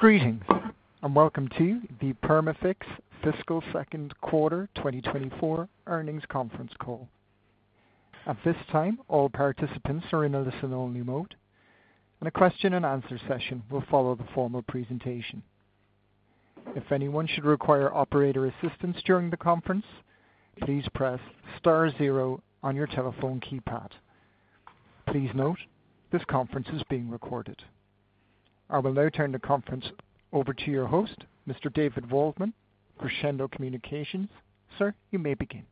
Greetings, and welcome to the Perma-Fix Fiscal Second Quarter 2024 earnings conference call. At this time, all participants are in a listen-only mode, and a question-and-answer session will follow the formal presentation. If anyone should require operator assistance during the conference, please press star zero on your telephone keypad. Please note, this conference is being recorded. I will now turn the conference over to your host, Mr. David Waldman, Crescendo Communications. Sir, you may begin.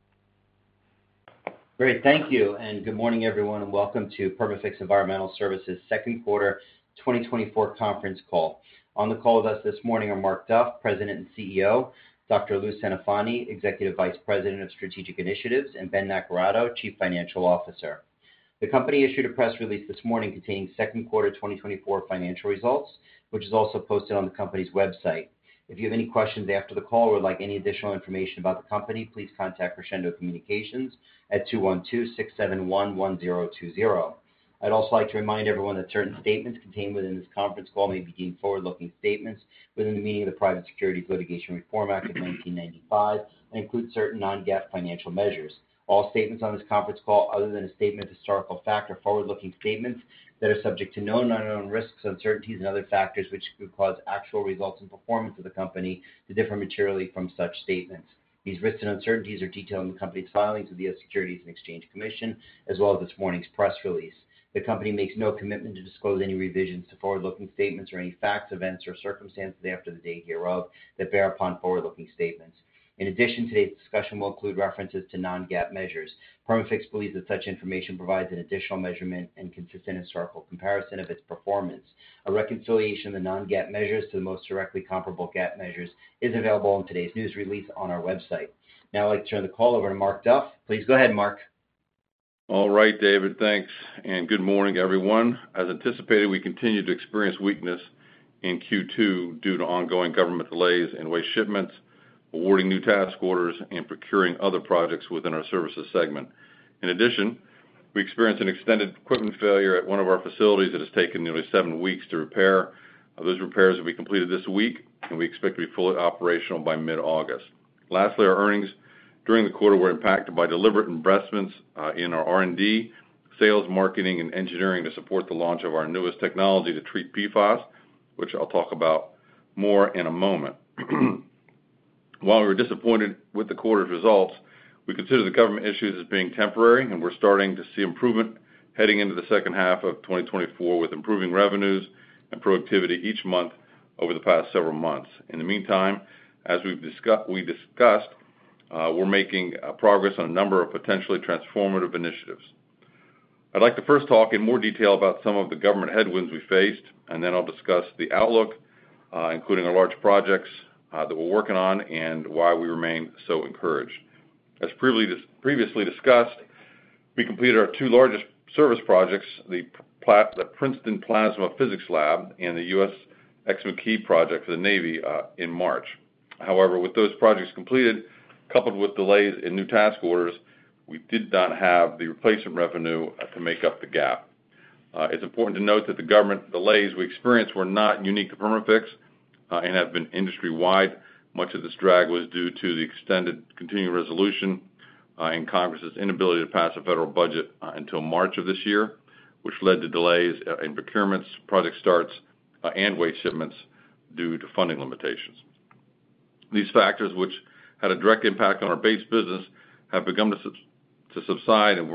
Great. Thank you, and good morning, everyone, and welcome to Perma-Fix Environmental Services second quarter 2024 conference call. On the call with us this morning are Mark Duff, President and CEO, Dr. Lou Centofanti, Executive Vice President of Strategic Initiatives, and Ben Naccarato, Chief Financial Officer. The company issued a press release this morning containing second quarter 2024 financial results, which is also posted on the company's website. If you have any questions after the call or would like any additional information about the company, please contact Crescendo Communications at 212-671-1020. I'd also like to remind everyone that certain statements contained within this conference call may be deemed forward-looking statements within the meaning of the Private Securities Litigation Reform Act of 1995 and include certain Non-GAAP financial measures. All statements on this conference call, other than a statement of historical fact, are forward-looking statements that are subject to known, unknown risks, uncertainties and other factors which could cause actual results and performance of the company to differ materially from such statements. These risks and uncertainties are detailed in the company's filings with the Securities and Exchange Commission, as well as this morning's press release. The company makes no commitment to disclose any revisions to forward-looking statements or any facts, events or circumstances after the date hereof that bear upon forward-looking statements. In addition, today's discussion will include references to Non-GAAP measures. Perma-Fix believes that such information provides an additional measurement and consistent historical comparison of its performance. A reconciliation of the Non-GAAP measures to the most directly comparable GAAP measures is available in today's news release on our website. Now, I'd like to turn the call over to Mark Duff. Please go ahead, Mark. All right, David, thanks, and good morning, everyone. As anticipated, we continue to experience weakness in Q2 due to ongoing government delays in waste shipments, awarding new task orders, and procuring other projects within our services segment. In addition, we experienced an extended equipment failure at one of our facilities that has taken nearly seven weeks to repair. Those repairs will be completed this week, and we expect to be fully operational by mid-August. Lastly, our earnings during the quarter were impacted by deliberate investments in our R&D, sales, marketing, and engineering to support the launch of our newest technology to treat PFAS, which I'll talk about more in a moment. While we're disappointed with the quarter's results, we consider the government issues as being temporary, and we're starting to see improvement heading into the second half of 2024, with improving revenues and productivity each month over the past several months. In the meantime, as we've discussed, we're making progress on a number of potentially transformative initiatives. I'd like to first talk in more detail about some of the government headwinds we faced, and then I'll discuss the outlook, including our large projects that we're working on and why we remain so encouraged. As previously discussed, we completed our two largest service projects, the Princeton Plasma Physics Lab and the USS McKeesport Project for the Navy, in March. However, with those projects completed, coupled with delays in new task orders, we did not have the replacement revenue to make up the gap. It's important to note that the government delays we experienced were not unique to Perma-Fix and have been industry-wide. Much of this drag was due to the extended continuing resolution and Congress's inability to pass a federal budget until March of this year, which led to delays in procurements, project starts, and waste shipments due to funding limitations. These factors, which had a direct impact on our base business, have begun to subside and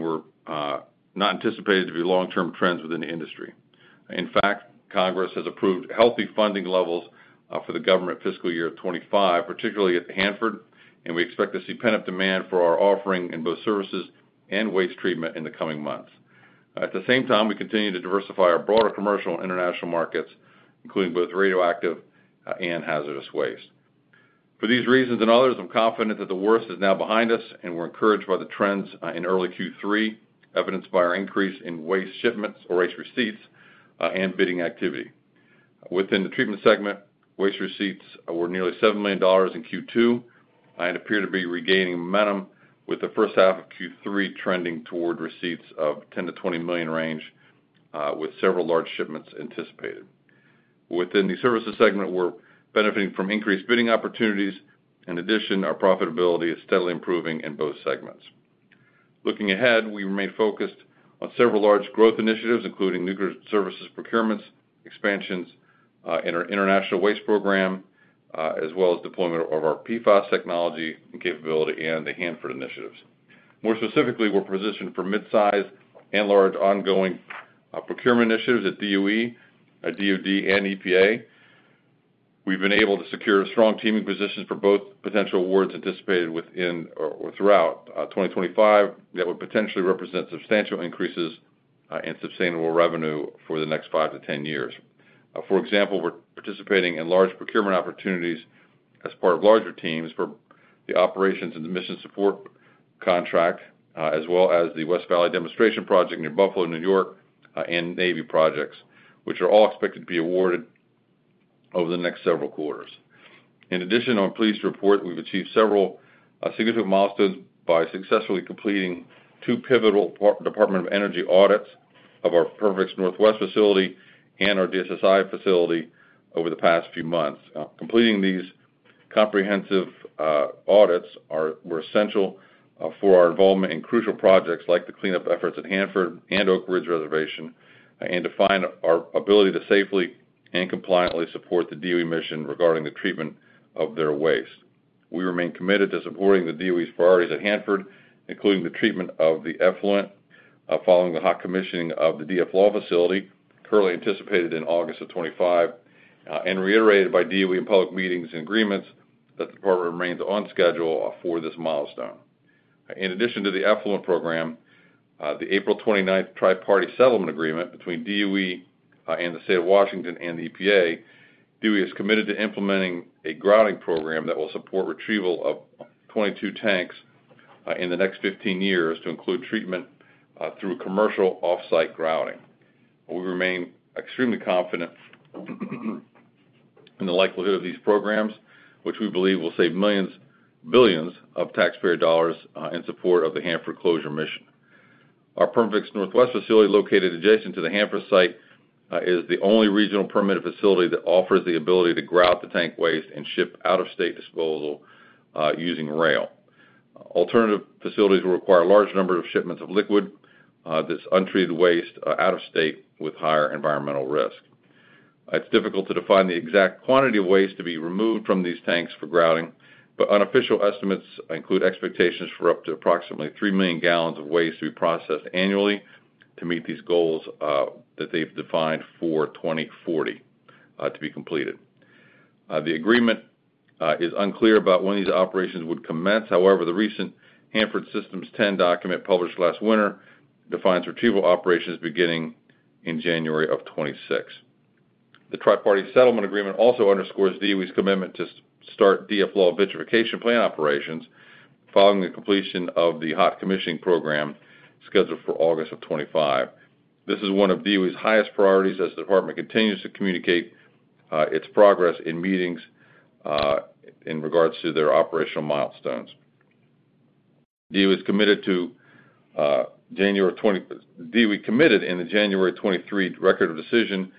were not anticipated to be long-term trends within the industry. In fact, Congress has approved healthy funding levels, for the government fiscal year of 2025, particularly at Hanford, and we expect to see pent-up demand for our offering in both services and waste treatment in the coming months. At the same time, we continue to diversify our broader commercial and international markets, including both radioactive and hazardous waste. For these reasons and others, I'm confident that the worst is now behind us, and we're encouraged by the trends in early Q3, evidenced by our increase in waste shipments or waste receipts and bidding activity. Within the treatment segment, waste receipts were nearly $7 million in Q2 and appear to be regaining momentum, with the first half of Q3 trending toward receipts of $10 million-$20 million range with several large shipments anticipated. Within the services segment, we're benefiting from increased bidding opportunities. In addition, our profitability is steadily improving in both segments. Looking ahead, we remain focused on several large growth initiatives, including nuclear services, procurements, expansions, and our international waste program, as well as deployment of our PFAS technology and capability and the Hanford initiatives. More specifically, we're positioned for midsize and large ongoing procurement initiatives at DOE, at DoD and EPA. We've been able to secure strong teaming positions for both potential awards anticipated within or throughout 2025 that would potentially represent substantial increases in sustainable revenue for the next 5 to 10 years. For example, we're participating in large procurement opportunities as part of larger teams for the Operations and Mission Support contract, as well as the West Valley Demonstration Project near Buffalo, New York, and Navy projects, which are all expected to be awarded over the next several quarters. In addition, I'm pleased to report we've achieved several significant milestones by successfully completing two pivotal Department of Energy audits of our Perma-Fix Northwest facility and our DSSI facility over the past few months. Completing these comprehensive audits were essential for our involvement in crucial projects like the cleanup efforts at Hanford and Oak Ridge Reservation, and to define our ability to safely and compliantly support the DOE mission regarding the treatment of their waste. We remain committed to supporting the DOE's priorities at Hanford, including the treatment of the effluent, following the hot commissioning of the DFLAW facility, currently anticipated in August of 2025, and reiterated by DOE in public meetings and agreements that the department remains on schedule, for this milestone. In addition to the effluent program, the April 29 Tripartite Settlement Agreement between DOE, the State of Washington and EPA, DOE is committed to implementing a grouting program that will support retrieval of 22 tanks, in the next 15 years to include treatment, through commercial off-site grouting. We remain extremely confident in the likelihood of these programs, which we believe will save $millions-$billions of taxpayer dollars, in support of the Hanford Closure Mission. Our Perma-Fix Northwest facility, located adjacent to the Hanford site, is the only regional permitted facility that offers the ability to grout the tank waste and ship out-of-state disposal, using rail. Alternative facilities will require a large number of shipments of liquid, this untreated waste, out-of-state with higher environmental risk. It's difficult to define the exact quantity of waste to be removed from these tanks for grouting, but unofficial estimates include expectations for up to approximately 3 million gal of waste to be processed annually to meet these goals, that they've defined for 2040, to be completed. The agreement is unclear about when these operations would commence. However, the recent Hanford System Plan 10 document, published last winter, defines retrieval operations beginning in January of 2026. The Tripartite Settlement Agreement also underscores DOE's commitment to start DFLAW vitrification plant operations following the completion of the hot commissioning program scheduled for August 2025. This is one of DOE's highest priorities as the department continues to communicate its progress in meetings in regards to their operational milestones. DOE committed in the January 2023 Record of Decision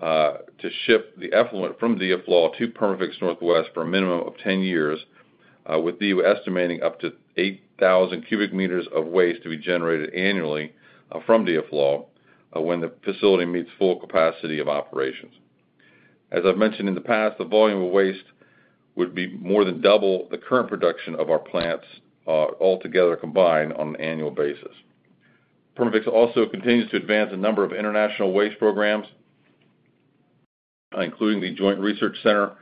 to ship the effluent from DFLAW to Perma-Fix Northwest for a minimum of 10 years with DOE estimating up to 8,000 cu m of waste to be generated annually from DFLAW when the facility meets full capacity of operations. As I've mentioned in the past, the volume of waste would be more than double the current production of our plants altogether combined on an annual basis. Perma-Fix also continues to advance a number of international waste programs, including the Joint Research Centre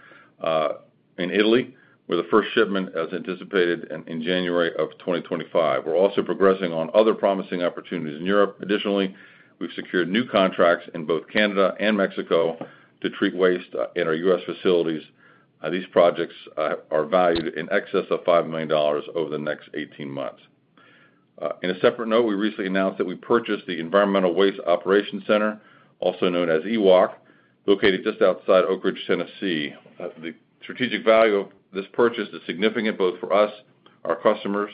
in Italy, with the first shipment as anticipated in January 2025. We're also progressing on other promising opportunities in Europe. Additionally, we've secured new contracts in both Canada and Mexico to treat waste in our U.S. facilities. These projects are valued in excess of $5 million over the next 18 months. In a separate note, we recently announced that we purchased the Environmental Waste Operations Center, also known as EWOC, located just outside Oak Ridge, Tennessee. The strategic value of this purchase is significant both for us, our customers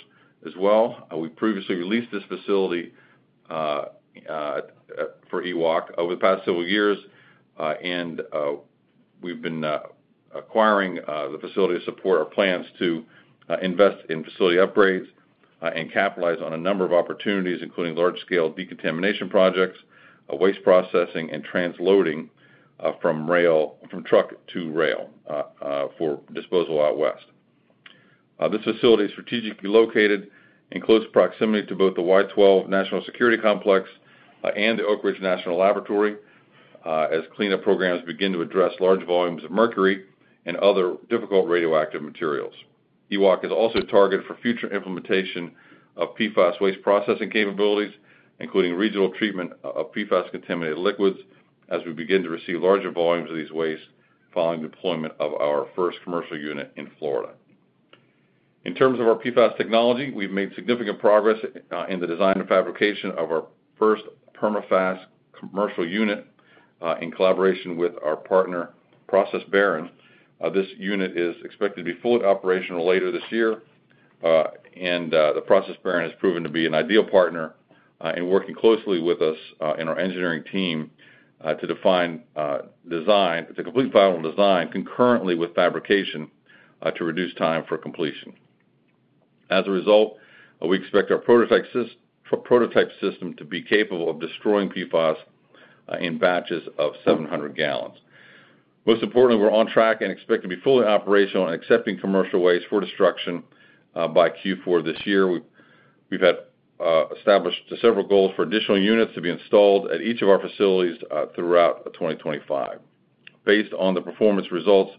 as well. We previously leased this facility for EWOC over the past several years, and we've been acquiring the facility to support our plans to invest in facility upgrades and capitalize on a number of opportunities, including large-scale decontamination projects, waste processing, and transloading from truck to rail for disposal out west. This facility is strategically located in close proximity to both the Y-12 National Security Complex and the Oak Ridge National Laboratory, as cleanup programs begin to address large volumes of mercury and other difficult radioactive materials. EWOC is also targeted for future implementation of PFAS waste processing capabilities, including regional treatment of PFAS contaminated liquids, as we begin to receive larger volumes of these wastes following deployment of our first commercial unit in Florida. In terms of our PFAS technology, we've made significant progress in the design and fabrication of our first Perma-FAS commercial unit in collaboration with our partner, ProcessBarron. This unit is expected to be fully operational later this year, and the ProcessBarron has proven to be an ideal partner in working closely with us and our engineering team to complete the final design concurrently with fabrication to reduce time for completion. As a result, we expect our prototype system to be capable of destroying PFAS in batches of 700 gal. Most importantly, we're on track and expect to be fully operational and accepting commercial waste for destruction by Q4 this year. We've, we've had established several goals for additional units to be installed at each of our facilities throughout 2025. Based on the performance results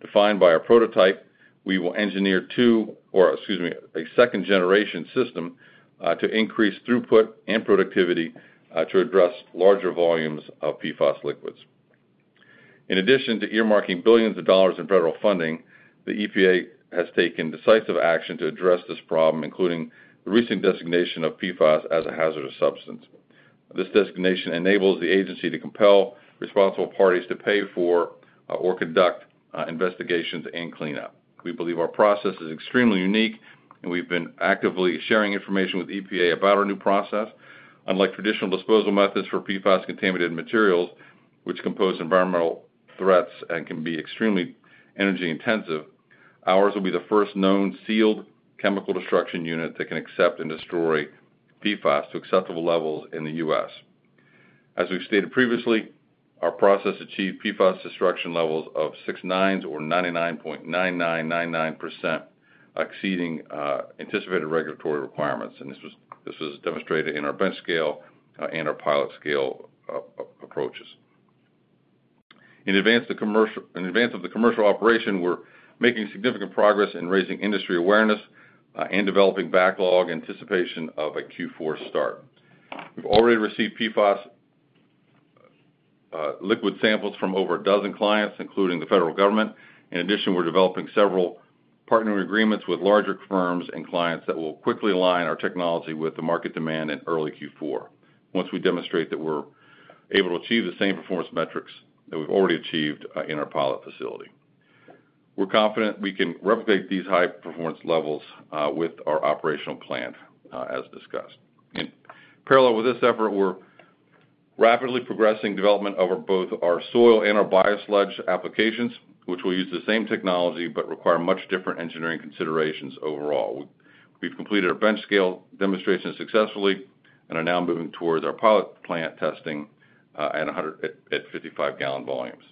defined by our prototype, we will engineer two... Or excuse me, a second-generation system to increase throughput and productivity to address larger volumes of PFAS liquids. In addition to earmarking billions of dollars in federal funding, the EPA has taken decisive action to address this problem, including the recent designation of PFAS as a hazardous substance. This designation enables the agency to compel responsible parties to pay for... or conduct investigations and cleanup. We believe our process is extremely unique, and we've been actively sharing information with EPA about our new process. Unlike traditional disposal methods for PFAS-contaminated materials, which compose environmental threats and can be extremely energy-intensive, ours will be the first known sealed chemical destruction unit that can accept and destroy PFAS to acceptable levels in the U.S. As we've stated previously, our process achieved PFAS destruction levels of six nines or 99.9999%, exceeding anticipated regulatory requirements, and this was demonstrated in our bench scale and our pilot scale approaches. In advance of the commercial operation, we're making significant progress in raising industry awareness and developing backlog anticipation of a Q4 start. We've already received PFAS liquid samples from over a dozen clients, including the federal government. In addition, we're developing several partnering agreements with larger firms and clients that will quickly align our technology with the market demand in early Q4, once we demonstrate that we're able to achieve the same performance metrics that we've already achieved in our pilot facility. We're confident we can replicate these high performance levels with our operational plan, as discussed. In parallel with this effort, we're rapidly progressing development over both our soil and our biosludge applications, which will use the same technology, but require much different engineering considerations overall. We've completed our bench-scale demonstrations successfully and are now moving towards our pilot plant testing at 55 gal volumes.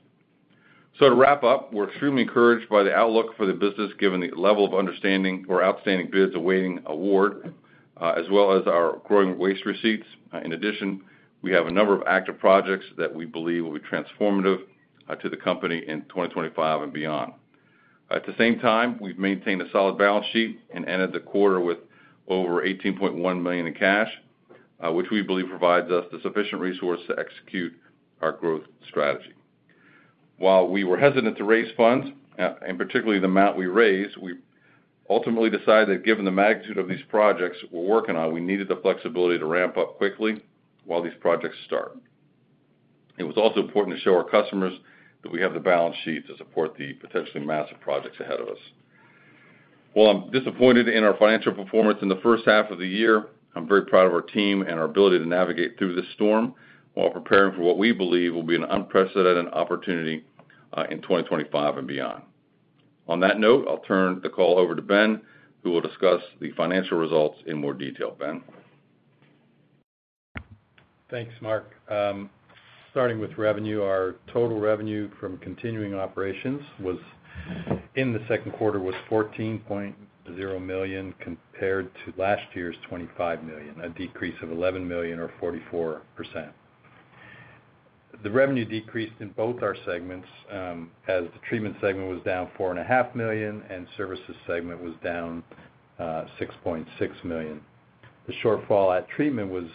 So to wrap up, we're extremely encouraged by the outlook for the business, given the level of understanding or outstanding bids awaiting award, as well as our growing waste receipts. In addition, we have a number of active projects that we believe will be transformative to the company in 2025 and beyond. At the same time, we've maintained a solid balance sheet and ended the quarter with over $18.1 million in cash, which we believe provides us the sufficient resource to execute our growth strategy. While we were hesitant to raise funds, and particularly the amount we raised, we ultimately decided that given the magnitude of these projects we're working on, we needed the flexibility to ramp up quickly while these projects start. It was also important to show our customers that we have the balance sheet to support the potentially massive projects ahead of us. While I'm disappointed in our financial performance in the first half of the year, I'm very proud of our team and our ability to navigate through this storm while preparing for what we believe will be an unprecedented opportunity in 2025 and beyond. On that note, I'll turn the call over to Ben, who will discuss the financial results in more detail. Ben? Thanks, Mark. Starting with revenue, our total revenue from continuing operations was, in the second quarter, 14.0 million, compared to last year's 25 million, a decrease of 11 million or 44%. The revenue decreased in both our segments, as the treatment segment was down 4.5 million, and services segment was down, 6.6 million. The shortfall at treatment was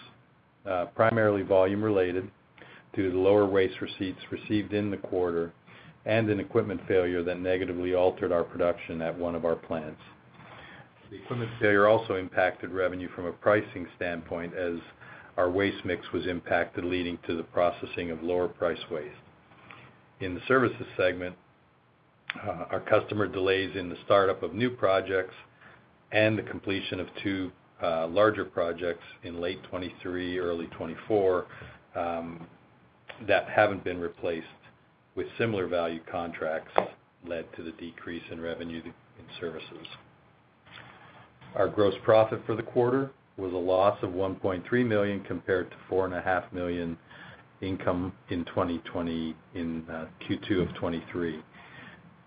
primarily volume-related to the lower waste receipts received in the quarter and an equipment failure that negatively altered our production at one of our plants. The equipment failure also impacted revenue from a pricing standpoint, as our waste mix was impacted, leading to the processing of lower-priced waste. In the services segment, our customer delays in the startup of new projects and the completion of 2 larger projects in late 2023, early 2024, that haven't been replaced with similar value contracts led to the decrease in revenue in services. Our gross profit for the quarter was a loss of $1.3 million compared to $4.5 million income in Q2 of 2023.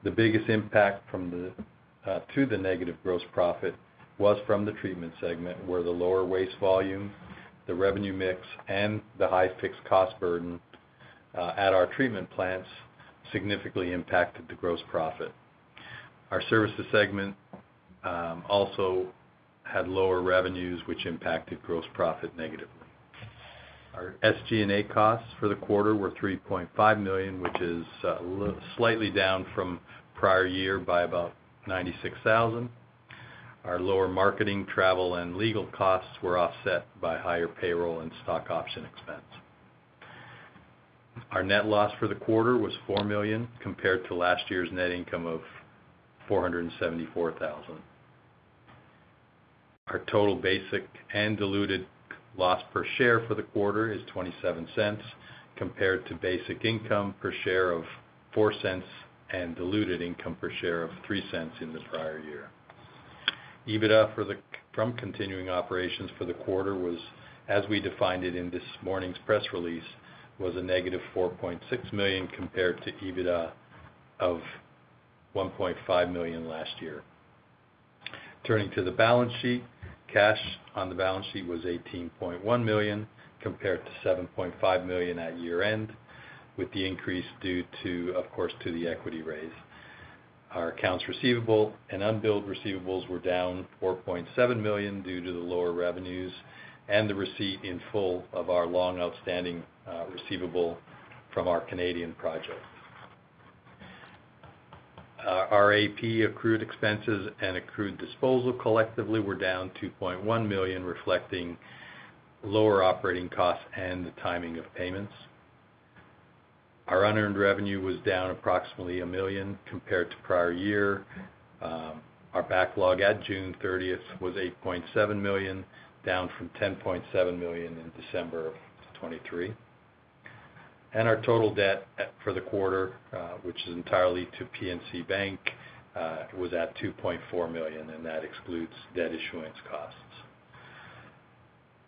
The biggest impact to the negative gross profit was from the treatment segment, where the lower waste volume, the revenue mix, and the high fixed cost burden at our treatment plants significantly impacted the gross profit. Our services segment also had lower revenues, which impacted gross profit negatively. Our SG&A costs for the quarter were $3.5 million, which is slightly down from prior year by about $96,000. Our lower marketing, travel, and legal costs were offset by higher payroll and stock option expense. Our net loss for the quarter was $4 million, compared to last year's net income of $474,000. Our total basic and diluted loss per share for the quarter is $0.27, compared to basic income per share of $0.04 and diluted income per share of $0.03 in this prior year. EBITDA from continuing operations for the quarter was, as we defined it in this morning's press release, a negative $4.6 million, compared to EBITDA of $1.5 million last year. Turning to the balance sheet, cash on the balance sheet was $18.1 million, compared to $7.5 million at year-end, with the increase due to, of course, to the equity raise. Our accounts receivable and unbilled receivables were down $4.7 million due to the lower revenues and the receipt in full of our long-outstanding receivable from our Canadian project. Our AP accrued expenses and accrued disposal collectively were down $2.1 million, reflecting lower operating costs and the timing of payments. Our unearned revenue was down approximately $1 million compared to prior year. Our backlog at June 30 was $8.7 million, down from $10.7 million in December 2023. Our total debt for the quarter, which is entirely to PNC Bank, was at $2.4 million, and that excludes debt issuance costs.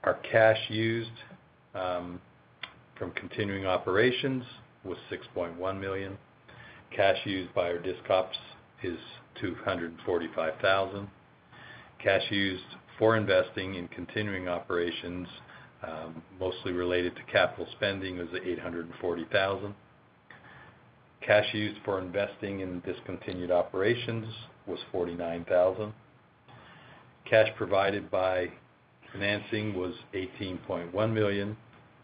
Our cash used from continuing operations was $6.1 million. Cash used by our disc ops is $245,000. Cash used for investing in continuing operations, mostly related to capital spending, was $840,000. Cash used for investing in discontinued operations was $49,000. Cash provided by financing was $18.1 million,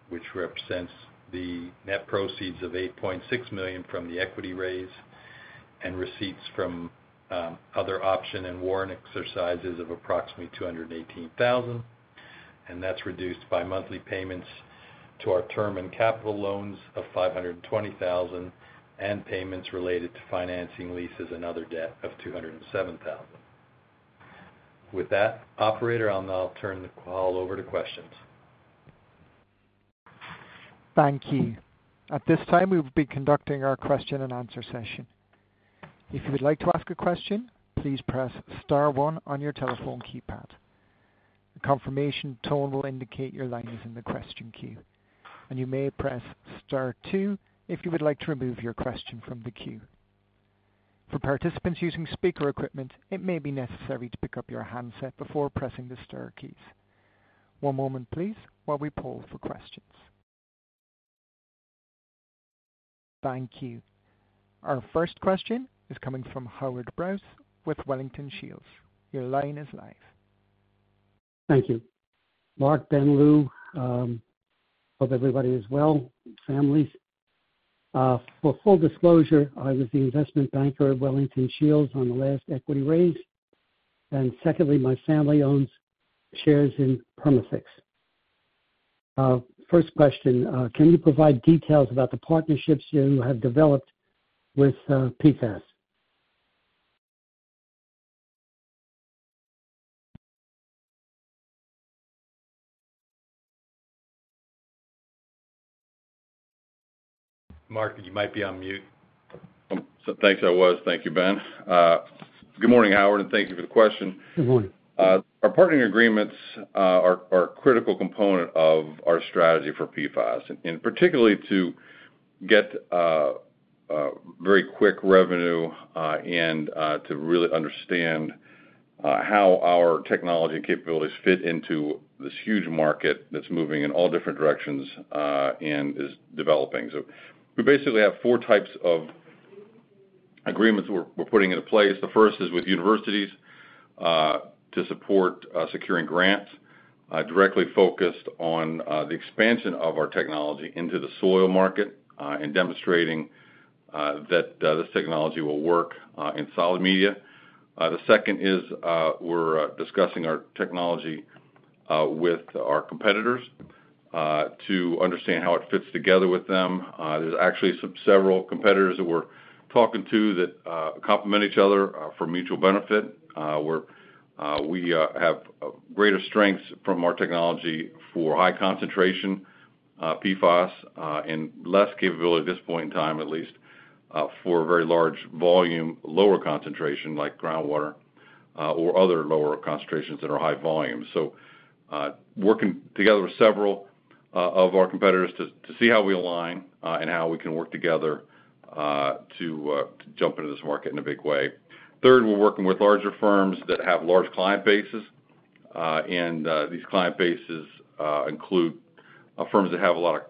which represents the net proceeds of $8.6 million from the equity raise and receipts from other option and warrant exercises of approximately $218,000, and that's reduced by monthly payments to our term and capital loans of $520,000, and payments related to financing leases and other debt of $207,000. With that, operator, I'll now turn the call over to questions. Thank you. At this time, we'll be conducting our question-and-answer session. If you would like to ask a question, please press star one on your telephone keypad. A confirmation tone will indicate your line is in the question queue, and you may press star two if you would like to remove your question from the queue. For participants using speaker equipment, it may be necessary to pick up your handset before pressing the star keys. One moment please, while we poll for questions. Thank you. Our first question is coming from Howard Brous with Wellington Shields. Your line is live. Thank you. Mark, Ben, Lou, hope everybody is well, and families. For full disclosure, I was the investment banker of Wellington Shields on the last equity raise, and secondly, my family owns shares in Perma-Fix. First question: Can you provide details about the partnerships you have developed with PFAS? Mark, you might be on mute. Thanks. Thank you, Ben. Good morning, Howard, and thank you for the question. Good morning. Our partnering agreements are a critical component of our strategy for PFAS, and particularly to get very quick revenue, and to really understand how our technology capabilities fit into this huge market that's moving in all different directions, and is developing. So we basically have four types of agreements we're putting into place. The first is with universities to support securing grants directly focused on the expansion of our technology into the soil market, and demonstrating that this technology will work in solid media. The second is, we're discussing our technology with our competitors to understand how it fits together with them. There's actually some several competitors that we're talking to that complement each other for mutual benefit. We have greater strengths from our technology for high concentration PFAS and less capability at this point in time, at least, for very large volume, lower concentration, like groundwater, or other lower concentrations that are high volume. So, working together with several of our competitors to see how we align and how we can work together to jump into this market in a big way. Third, we're working with larger firms that have large client bases, and these client bases include firms that have a lot of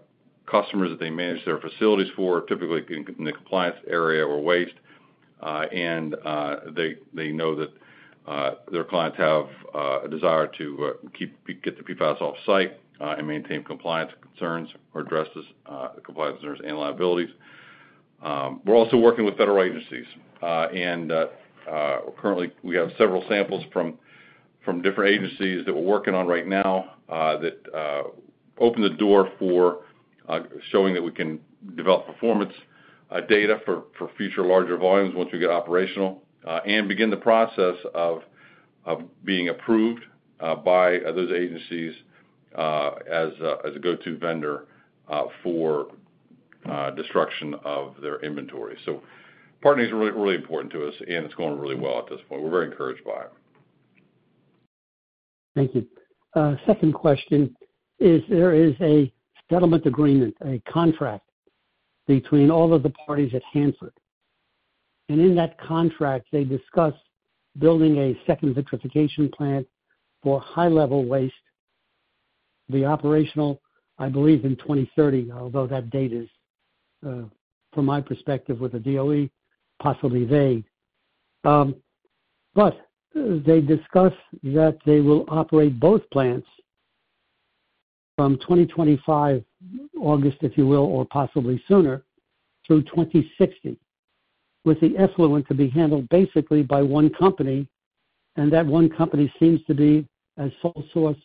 customers that they manage their facilities for, typically in the compliance area or waste. And they know that their clients have a desire to get the PFAS off-site and maintain compliance concerns or address this compliance concerns and liabilities. We're also working with federal agencies and currently we have several samples from different agencies that we're working on right now that open the door for showing that we can develop performance data for future larger volumes once we get operational and begin the process of being approved by those agencies as a go-to vendor for destruction of their inventory. So partnering is really, really important to us, and it's going really well at this point. We're very encouraged by it. Thank you. Second question is, there is a settlement agreement, a contract between all of the parties at Hanford, and in that contract, they discuss building a second vitrification plant for high-level waste, to be operational, I believe, in 2030, although that date is, from my perspective, with the DOE, possibly vague. But they discuss that they will operate both plants from 2025, August, if you will, or possibly sooner, through 2060, with the effluent to be handled basically by one company, and that one company seems to be a sole source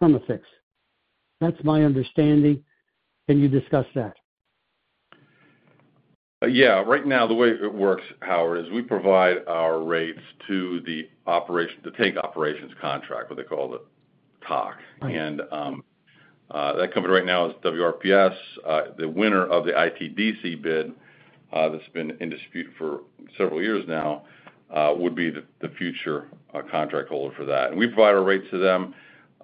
Perma-Fix. That's my understanding. Can you discuss that? Yeah. Right now, the way it works, Howard, is we provide our rates to the operation, the Tank Operations Contract, what they call the TOC. Right. And, that company right now is WRPS. The winner of the ITDC bid, that's been in dispute for several years now, would be the future contract holder for that. And we provide our rates to them,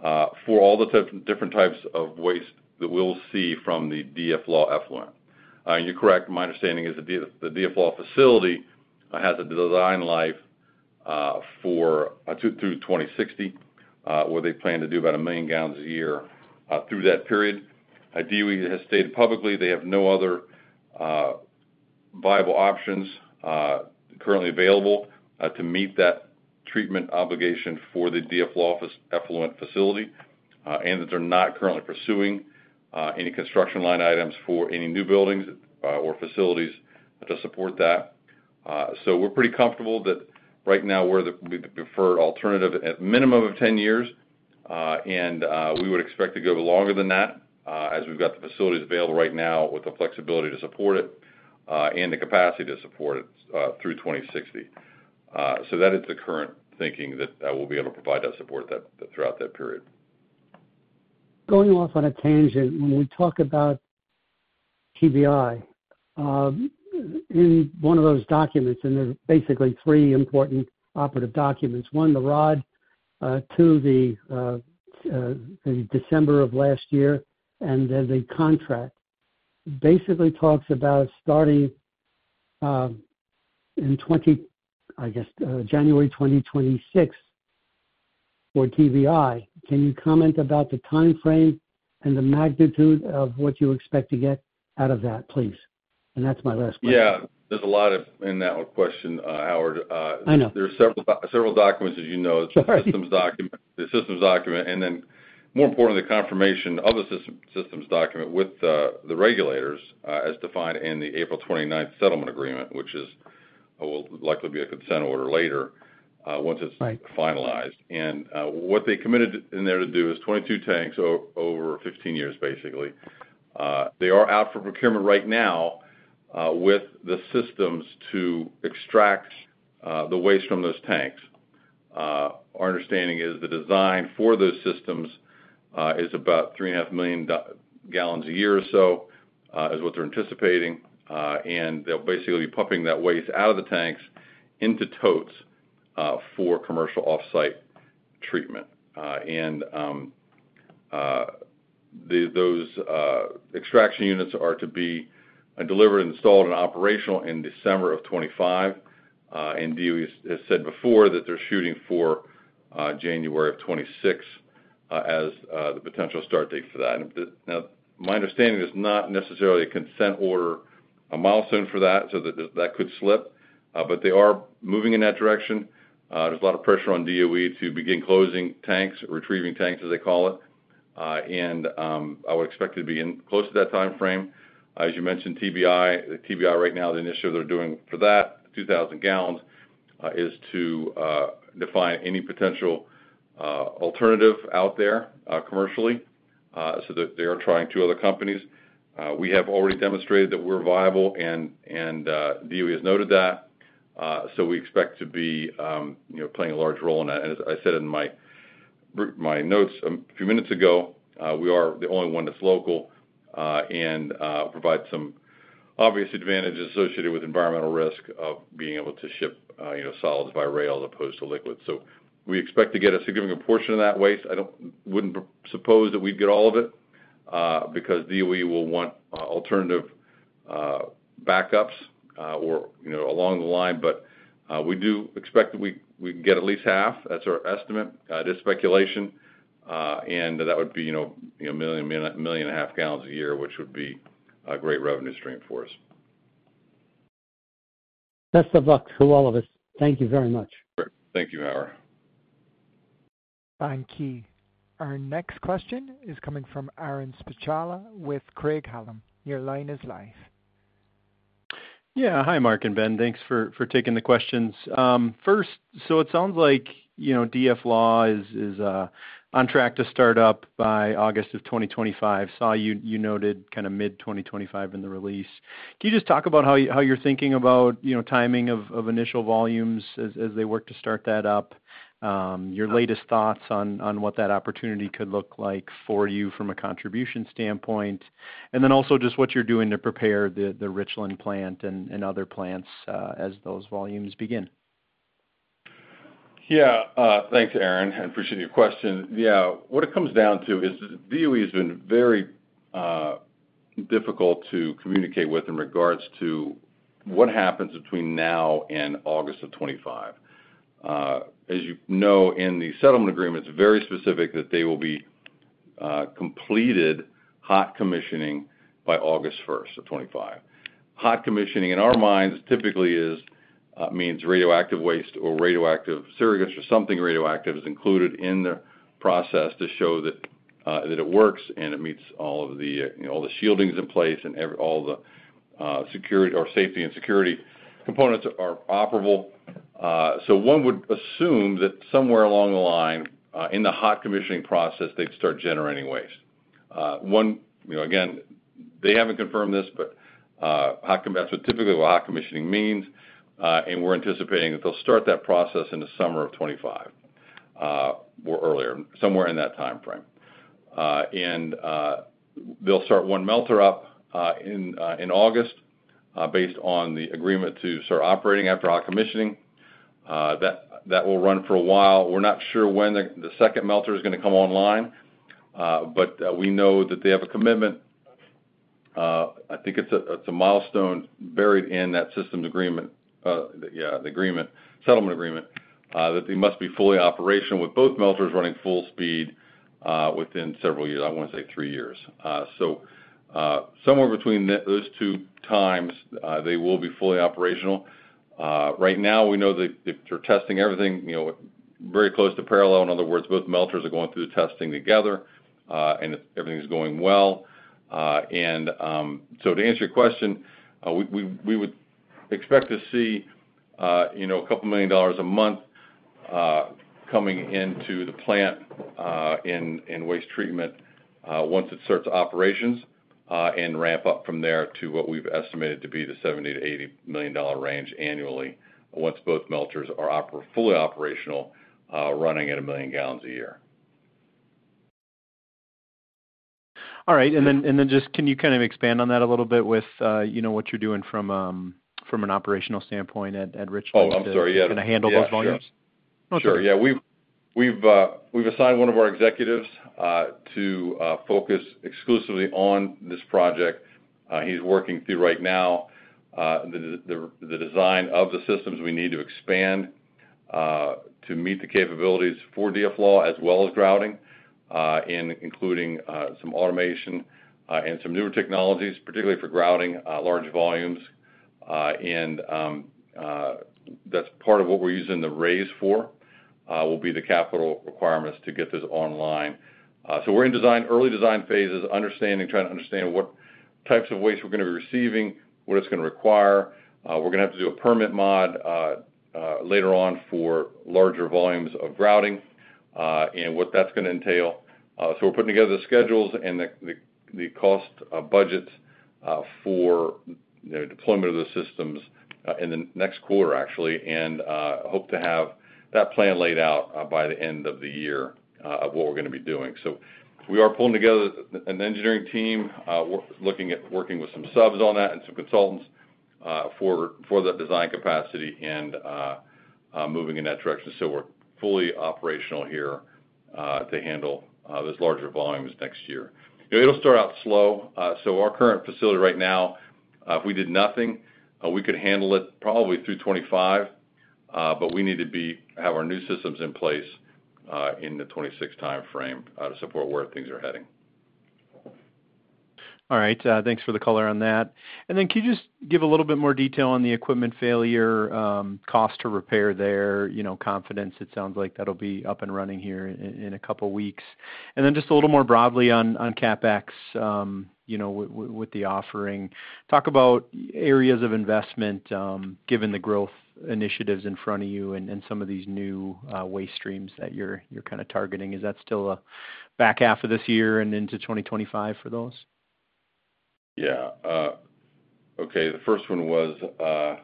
for all the different types of waste that we'll see from the DFLAW effluent. You're correct. My understanding is the DFLAW facility has a design life through 2060, where they plan to do about 1 million gallons a year through that period. DOE has stated publicly they have no other viable options currently available to meet that treatment obligation for the DFLAW effluent facility, and that they're not currently pursuing any construction line items for any new buildings or facilities to support that. So we're pretty comfortable that right now we're the preferred alternative at minimum of 10 years. And we would expect to go longer than that, as we've got the facilities available right now with the flexibility to support it, and the capacity to support it, through 2060. So that is the current thinking, that we'll be able to provide that support throughout that period. Going off on a tangent, when we talk about TBI, in one of those documents, and there's basically three important operative documents: one, the ROD, two, the, December of last year, and then the contract. Basically talks about starting, in twenty-- I guess, January 2026 for TBI. Can you comment about the time frame and the magnitude of what you expect to get out of that, please? And that's my last question. Yeah. There's a lot of in that one question, Howard. I know. There are several documents, as you know. Sorry. The systems document. The systems document, and then more importantly, the confirmation of the systems document with the regulators, as defined in the April twenty-ninth settlement agreement, which will likely be a consent order later, once it's- Right... finalized. And what they committed in there to do is 22 tanks over 15 years, basically. They are out for procurement right now with the systems to extract the waste from those tanks. Our understanding is the design for those systems is about 3.5 million gal a year or so is what they're anticipating. And they'll basically be pumping that waste out of the tanks into totes for commercial off-site treatment. And those extraction units are to be delivered, installed, and operational in December of 2025. And DOE has said before that they're shooting for January of 2026 as the potential start date for that. Now, my understanding is not necessarily a consent order, a milestone for that, so that, that could slip, but they are moving in that direction. There's a lot of pressure on DOE to begin closing tanks, retrieving tanks, as they call it. And, I would expect it to be in close to that time frame. As you mentioned, TBI, TBI right now, the initiative they're doing for that, 2,000 gal, is to, define any potential, alternative out there, commercially, so that they are trying two other companies. We have already demonstrated that we're viable, and DOE has noted that. So we expect to be, you know, playing a large role in that. As I said in my notes a few minutes ago, we are the only one that's local, and provide some obvious advantages associated with environmental risk of being able to ship, you know, solids by rail as opposed to liquids. So we expect to get a significant portion of that waste. I don't-- wouldn't suppose that we'd get all of it, because DOE will want alternative backups, or, you know, along the line. But we do expect that we, we can get at least half. That's our estimate, it is speculation. And that would be, you know, 1 million-1.5 million gal a year, which would be a great revenue stream for us. Best of luck to all of us. Thank you very much. Great. Thank you, Howard. Thank you. Our next question is coming from Aaron Spychala with Craig-Hallum. Your line is live. Yeah. Hi, Mark and Ben. Thanks for taking the questions. First, so it sounds like, you know, DFLAW is on track to start up by August of 2025. Saw you noted kinda mid-2025 in the release. Can you just talk about how you, how you're thinking about, you know, timing of initial volumes as they work to start that up? Your latest thoughts on what that opportunity could look like for you from a contribution standpoint. And then also just what you're doing to prepare the Richland plant and other plants as those volumes begin. Yeah. Thanks, Aaron. I appreciate your question. Yeah, what it comes down to is DOE has been very difficult to communicate with in regards to what happens between now and August of 2025. As you know, in the settlement agreement, it's very specific that they will be completed hot commissioning by August 1, 2025. Hot commissioning, in our minds, typically means radioactive waste or radioactive surrogates or something radioactive is included in the process to show that it works and it meets all of the, you know, all the shielding's in place and all the security or safety and security components are operable. So one would assume that somewhere along the line, in the hot commissioning process, they'd start generating waste. One, you know, again, they haven't confirmed this, but hot commissioning-- that's what typically hot commissioning means. And we're anticipating that they'll start that process in the summer of 2025, or earlier, somewhere in that timeframe. And they'll start one melter up, in August, based on the agreement to start operating after hot commissioning. That will run for a while. We're not sure when the second melter is gonna come online, but we know that they have a commitment. I think it's a milestone buried in that systems agreement, yeah, the agreement-- settlement agreement, that they must be fully operational with both melters running full speed, within several years, I wanna say three years. So, somewhere between those two times, they will be fully operational. Right now, we know that they're testing everything, you know, very close to parallel. In other words, both melters are going through the testing together, and everything is going well. So to answer your question, we would expect to see, you know, a couple $ million a month coming into the plant in waste treatment once it starts operations, and ramp up from there to what we've estimated to be the $70 million-$80 million range annually, once both melters are fully operational, running at 1 million gal a year. All right. And then just, can you kind of expand on that a little bit with, you know, what you're doing from an operational standpoint at Richland- Oh, I'm sorry. Yeah- to kind of handle those volumes? Sure, yeah. We've assigned one of our executives to focus exclusively on this project. He's working through right now the design of the systems we need to expand to meet the capabilities for DFLAW, as well as grouting, and including some automation and some newer technologies, particularly for grouting large volumes. That's part of what we're using the raise for, will be the capital requirements to get this online. So we're in early design phases, trying to understand what types of waste we're gonna be receiving, what it's gonna require. We're gonna have to do a permit mod later on for larger volumes of grouting, and what that's gonna entail. So we're putting together the schedules and the cost budgets for, you know, deployment of the systems in the next quarter, actually. Hope to have that plan laid out by the end of the year of what we're gonna be doing. So we are pulling together an engineering team, we're looking at working with some subs on that and some consultants for that design capacity and moving in that direction so we're fully operational here to handle those larger volumes next year. It'll start out slow. So our current facility right now, if we did nothing, we could handle it probably through 2025, but we need to have our new systems in place in the 2026 timeframe to support where things are heading. All right. Thanks for the color on that. And then, can you just give a little bit more detail on the equipment failure, cost to repair there, you know, confidence? It sounds like that'll be up and running here in a couple weeks. And then just a little more broadly on CapEx, you know, with the offering. Talk about areas of investment, given the growth initiatives in front of you and some of these new waste streams that you're kind of targeting. Is that still a back half of this year and into 2025 for those? Yeah. Okay, the first one was the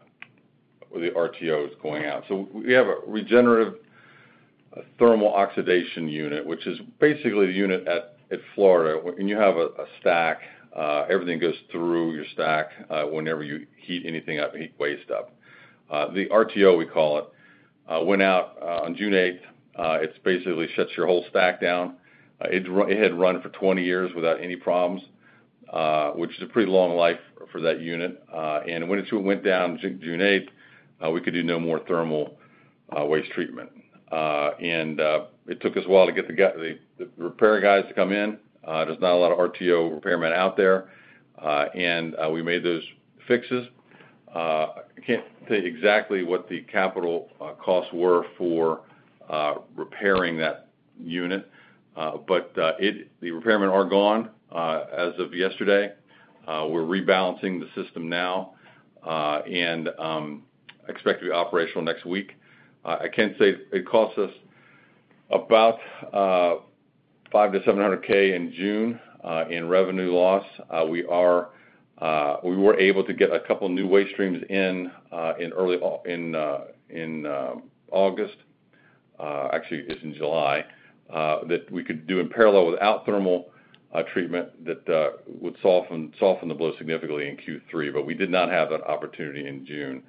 RTOs going out. So we have a regenerative thermal oxidation unit, which is basically the unit at Florida, when you have a stack, everything goes through your stack, whenever you heat anything up, heat waste up. The RTO, we call it, went out on June eighth. It's basically shuts your whole stack down. It had run for 20 years without any problems, which is a pretty long life for that unit. And when it went down June eighth, we could do no more thermal waste treatment. And it took us a while to get the repair guys to come in. There's not a lot of RTO repairmen out there, and we made those fixes. I can't say exactly what the capital costs were for repairing that unit, but the repairmen are gone as of yesterday. We're rebalancing the system now and expect to be operational next week. I can say it cost us about $500,000-$700,000 in June in revenue loss. We were able to get a couple new waste streams in in early August, actually, it's in July, that we could do in parallel without thermal treatment, that would soften the blow significantly in Q3, but we did not have that opportunity in June.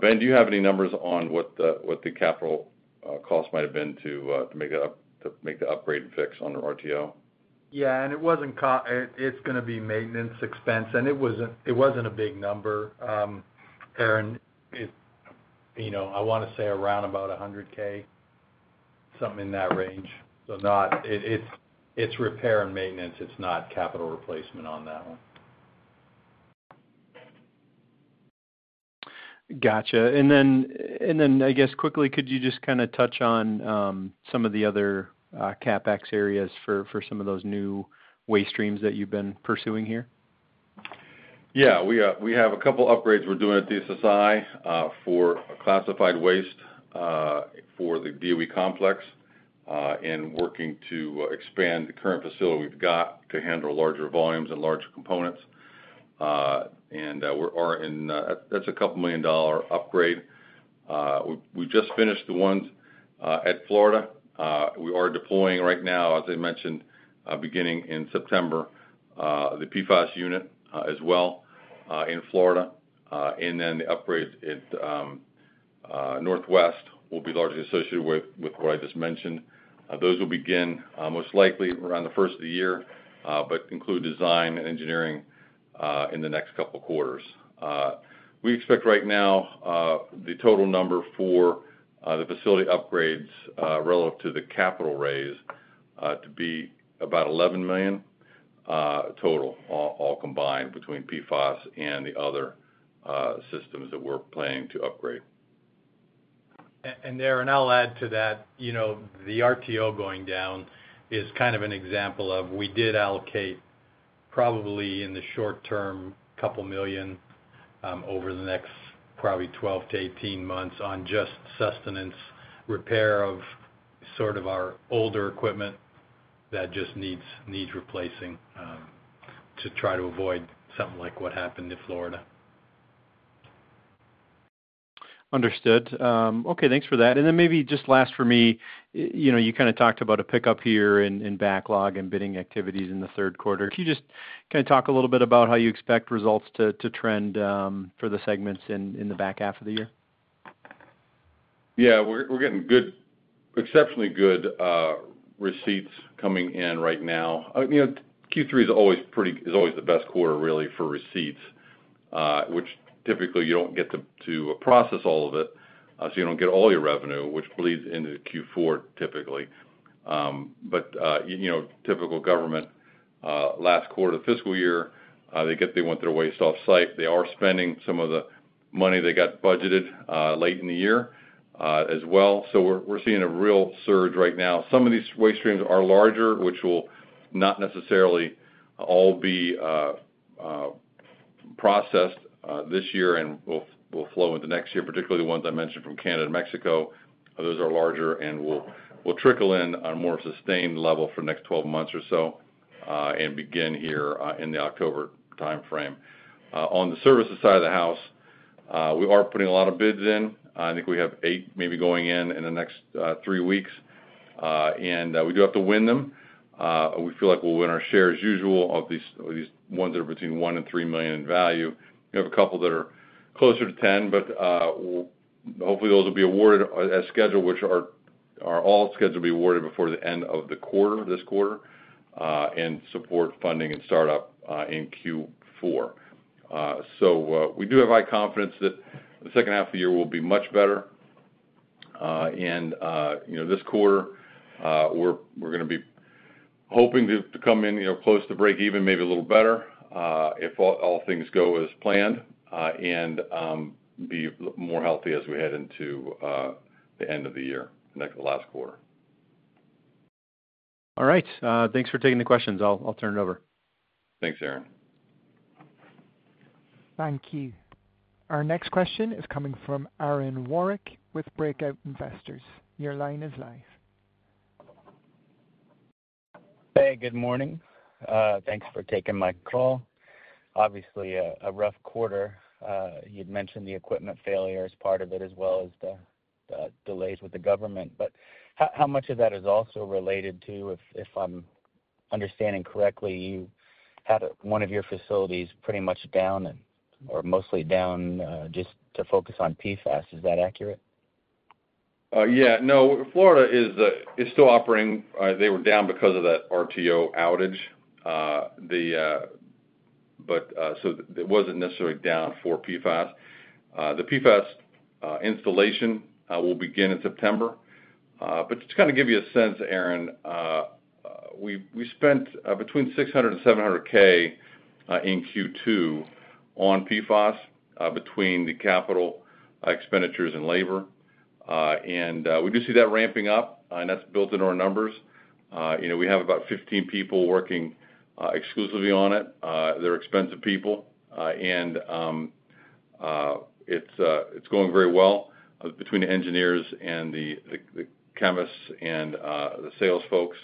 Ben, do you have any numbers on what the capital cost might have been to make the upgrade and fix on the RTO? Yeah, and it wasn't, it's gonna be maintenance expense, and it wasn't, it wasn't a big number. Aaron, you know, I wanna say around about $100K.... something in that range. So not, it's repair and maintenance, it's not capital replacement on that one. Gotcha. And then, I guess, quickly, could you just kind of touch on some of the other CapEx areas for some of those new waste streams that you've been pursuing here? Yeah, we have a couple upgrades we're doing at DSSI for classified waste for the DOE complex, and working to expand the current facility we've got to handle larger volumes and larger components. And that's a $2 million upgrade. We just finished the ones at Florida. We are deploying right now, as I mentioned, beginning in September, the PFAS unit, as well, in Florida. And then the upgrades at Northwest will be largely associated with what I just mentioned. Those will begin most likely around the first of the year, but include design and engineering in the next couple quarters. We expect right now the total number for the facility upgrades relative to the capital raise to be about $11 million total, all, all combined between PFAS and the other systems that we're planning to upgrade. And Aaron, I'll add to that, you know, the RTO going down is kind of an example of, we did allocate probably in the short term $2 million over the next probably 12 to 18 months on just sustenance, repair of sort of our older equipment that just needs replacing, to try to avoid something like what happened in Florida. Understood. Okay, thanks for that. And then maybe just last for me, you know, you kind of talked about a pickup here in, in backlog and bidding activities in the third quarter. Can you just kind of talk a little bit about how you expect results to, to trend, for the segments in, in the back half of the year? Yeah, we're getting good—exceptionally good receipts coming in right now. You know, Q3 is always the best quarter, really, for receipts, which typically you don't get to process all of it, so you don't get all your revenue, which bleeds into Q4, typically. But you know, typical government last quarter of the fiscal year, they want their waste offsite. They are spending some of the money they got budgeted late in the year, as well. So we're seeing a real surge right now. Some of these waste streams are larger, which will not necessarily all be processed this year and will flow into next year, particularly the ones I mentioned from Canada and Mexico. Those are larger and will trickle in on a more sustained level for the next 12 months or so, and begin here in the October timeframe. On the services side of the house, we are putting a lot of bids in. I think we have 8 maybe going in in the next 3 weeks. And we do have to win them. We feel like we'll win our share as usual of these ones that are between $1 million and $3 million in value. We have a couple that are closer to $10 million, but hopefully, those will be awarded as scheduled, which are all scheduled to be awarded before the end of the quarter, this quarter, and support funding and startup in Q4. So, we do have high confidence that the second half of the year will be much better. And, you know, this quarter, we're gonna be hoping to come in, you know, close to breakeven, maybe a little better, if all things go as planned, and be more healthy as we head into the end of the year, the next to last quarter. All right, thanks for taking the questions. I'll turn it over. Thanks, Aaron. Thank you. Our next question is coming from Aaron Warwick with Breakout Investors. Your line is live. Hey, good morning. Thanks for taking my call. Obviously, a rough quarter. You'd mentioned the equipment failure as part of it, as well as the delays with the government. But how much of that is also related to, if I'm understanding correctly, you had one of your facilities pretty much down and/or mostly down, just to focus on PFAS? Is that accurate? Yeah. No, Florida is still operating. They were down because of that RTO outage. But, so it wasn't necessarily down for PFAS. The PFAS installation will begin in September. But just to kind of give you a sense, Aaron, we spent between $600K and $700K in Q2 on PFAS, between the capital expenditures and labor. And we do see that ramping up, and that's built into our numbers. You know, we have about 15 people working exclusively on it. They're expensive people, and it's going very well between the engineers and the chemists and the sales folks.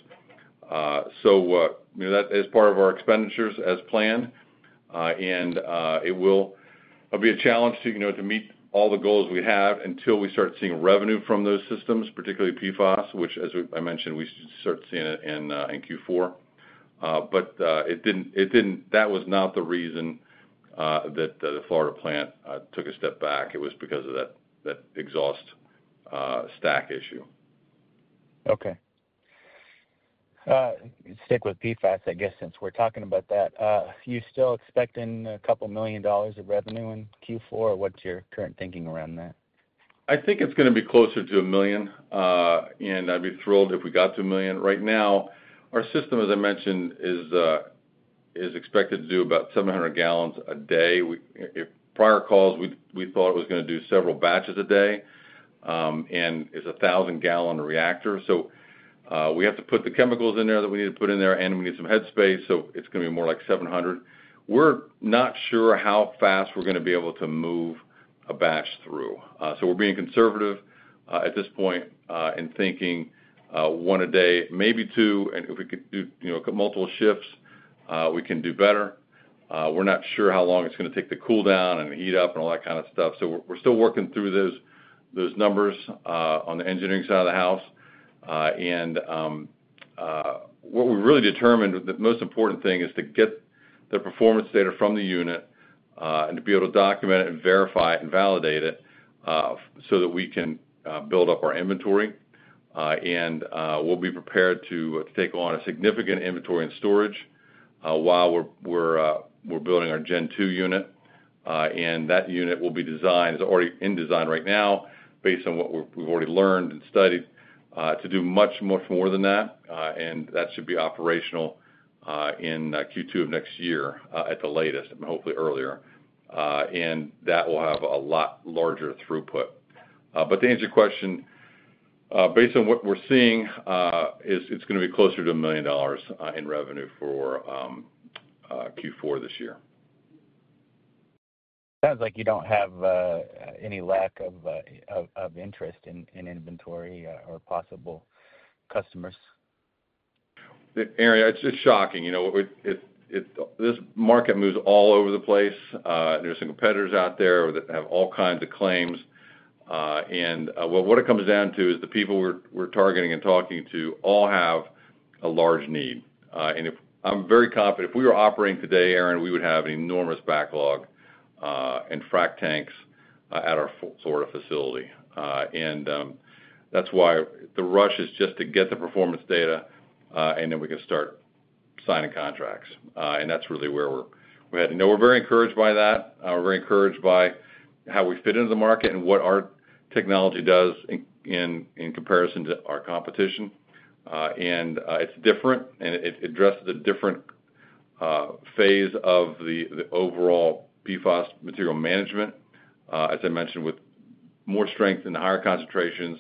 So, you know, that is part of our expenditures as planned. And it will be a challenge to, you know, to meet all the goals we have until we start seeing revenue from those systems, particularly PFAS, which, as I mentioned, we should start seeing it in Q4. But it didn't. That was not the reason that the Florida plant took a step back. It was because of that exhaust stack issue. Okay, stick with PFAS, I guess, since we're talking about that. Are you still expecting $2 million of revenue in Q4, or what's your current thinking around that? I think it's gonna be closer to 1 million, and I'd be thrilled if we got to 1 million. Right now, our system, as I mentioned, is expected to do about 700 gal a day. In prior calls, we thought it was gonna do several batches a day, and it's a 1,000 gal reactor. So, we have to put the chemicals in there that we need to put in there, and we need some head space, so it's gonna be more like 700. We're not sure how fast we're gonna be able to move a batch through. So we're being conservative at this point in thinking 1 a day, maybe 2, and if we could do, you know, multiple shifts, we can do better. We're not sure how long it's gonna take to cool down and heat up and all that kind of stuff. So we're still working through those numbers on the engineering side of the house. What we really determined, the most important thing is to get the performance data from the unit and to be able to document it and verify it and validate it so that we can build up our inventory. We'll be prepared to take on a significant inventory and storage while we're building our Gen 2 unit. And that unit will be designed. It's already in design right now, based on what we've already learned and studied to do much more than that. That should be operational in Q2 of next year at the latest, but hopefully earlier. That will have a lot larger throughput. To answer your question, based on what we're seeing, it's gonna be closer to $1 million in revenue for Q4 this year. Sounds like you don't have any lack of interest in inventory or possible customers. Aaron, it's just shocking. You know, this market moves all over the place. There's some competitors out there that have all kinds of claims. And what it comes down to is the people we're targeting and talking to all have a large need. And if I'm very confident, if we were operating today, Aaron, we would have enormous backlog, and frack tanks at our Florida facility. And that's why the rush is just to get the performance data, and then we can start signing contracts. And that's really where we're heading. We're very encouraged by that. We're very encouraged by how we fit into the market and what our technology does in comparison to our competition. And, it's different, and it addresses a different phase of the overall PFAS material management. As I mentioned, with more strength in the higher concentrations,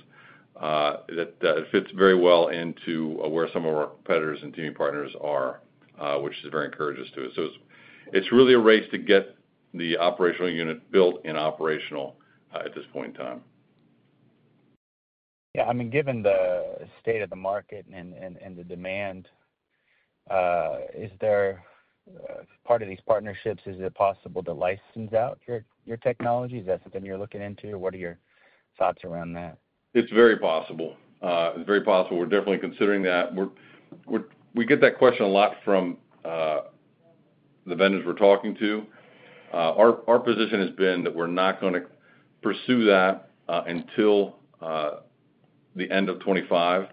that fits very well into where some of our competitors and teaming partners are, which is very encouraging to us. So it's really a race to get the operational unit built and operational at this point in time. Yeah, I mean, given the state of the market and the demand, is there, as part of these partnerships, is it possible to license out your technologies? Is that something you're looking into, or what are your thoughts around that? It's very possible. It's very possible. We're definitely considering that. We get that question a lot from the vendors we're talking to. Our position has been that we're not gonna pursue that until the end of 25.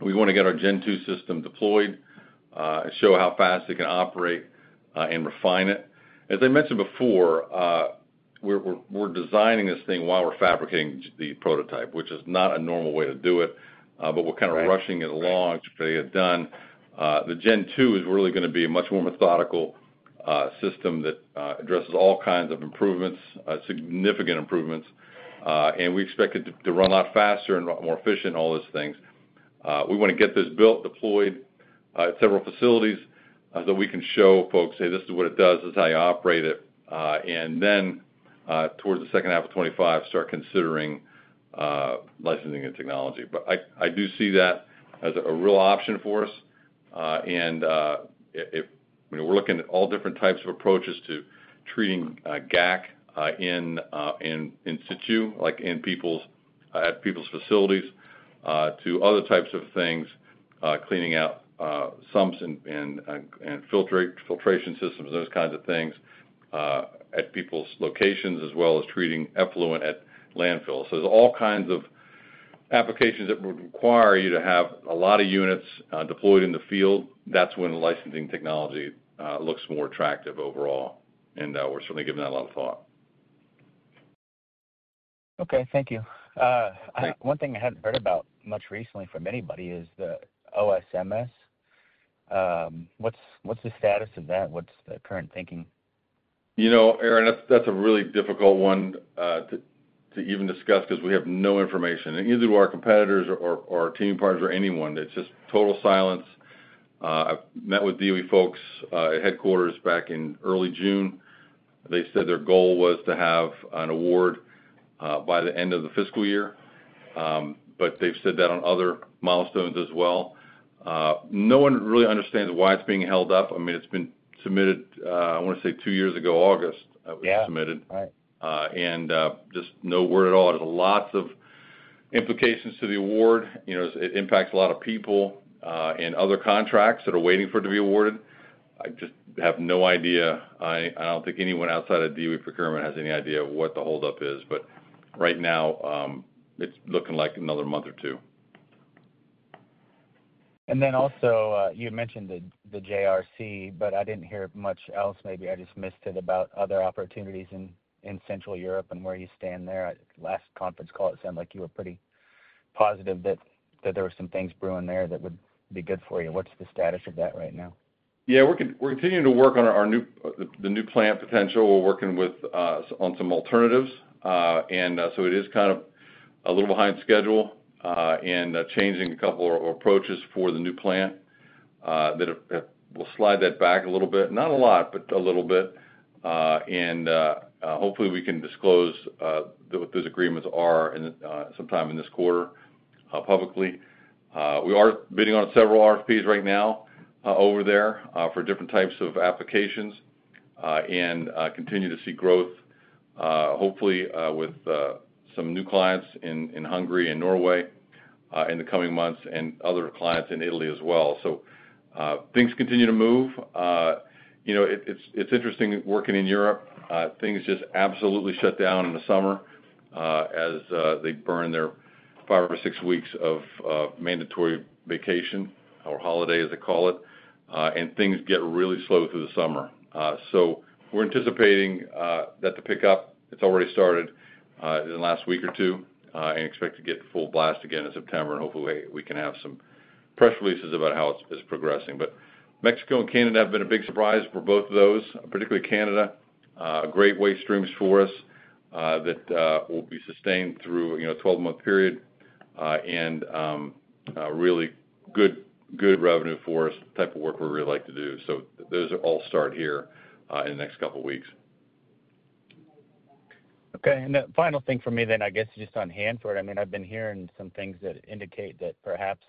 We wanna get our Gen 2 system deployed, show how fast it can operate, and refine it. As I mentioned before, we're designing this thing while we're fabricating the prototype, which is not a normal way to do it, but we're kind of- Right... rushing it along to get it done. The Gen 2 is really gonna be a much more methodical system that addresses all kinds of improvements, significant improvements. And we expect it to run a lot faster and a lot more efficient, all those things. We wanna get this built, deployed, at several facilities that we can show folks, hey, this is what it does, this is how you operate it. And then, towards the second half of 2025, start considering licensing and technology. But I do see that as a real option for us. We're looking at all different types of approaches to treating GAC in situ, like in people's facilities, to other types of things, cleaning out sumps and filtration systems, those kinds of things, at people's locations, as well as treating effluent at landfills. So there's all kinds of applications that would require you to have a lot of units deployed in the field. That's when licensing technology looks more attractive overall, and we're certainly giving that a lot of thought. Okay, thank you. Great.... one thing I hadn't heard about much recently from anybody is the OSMS. What's the status of that? What's the current thinking? You know, Aaron, that's a really difficult one to even discuss because we have no information, and neither do our competitors or our teaming partners or anyone. It's just total silence. I've met with DOE-EM folks at headquarters back in early June. They said their goal was to have an award by the end of the fiscal year. But they've said that on other milestones as well. No one really understands why it's being held up. I mean, it's been submitted. I wanna say two years ago, August- Yeah... it was submitted. Right. Just no word at all. There's lots of implications to the award. You know, it impacts a lot of people, and other contracts that are waiting for it to be awarded. I just have no idea. I don't think anyone outside of DOE procurement has any idea of what the holdup is, but right now, it's looking like another month or two. And then also, you had mentioned the JRC, but I didn't hear much else. Maybe I just missed it, about other opportunities in Central Europe and where you stand there. At last conference call, it sounded like you were pretty positive that there were some things brewing there that would be good for you. What's the status of that right now? Yeah, we're continuing to work on our new plant potential. We're working on some alternatives. So it is kind of a little behind schedule and changing a couple of approaches for the new plant that will slide that back a little bit. Not a lot, but a little bit. And hopefully, we can disclose what those agreements are sometime in this quarter publicly. We are bidding on several RFPs right now over there for different types of applications and continue to see growth hopefully with some new clients in Hungary and Norway in the coming months, and other clients in Italy as well. So things continue to move. You know, it's interesting working in Europe. Things just absolutely shut down in the summer, as they burn their five or six weeks of mandatory vacation, or holiday, as they call it, and things get really slow through the summer. So we're anticipating that to pick up. It's already started in the last week or two, and expect to get full blast again in September, and hopefully, we can have some press releases about how it's progressing. But Mexico and Canada have been a big surprise for both of those, particularly Canada. Great waste streams for us that will be sustained through, you know, a 12-month period, and a really good revenue for us, type of work we really like to do. So those all start here in the next couple weeks. Okay, and the final thing for me then, I guess, just on Hanford. I mean, I've been hearing some things that indicate that perhaps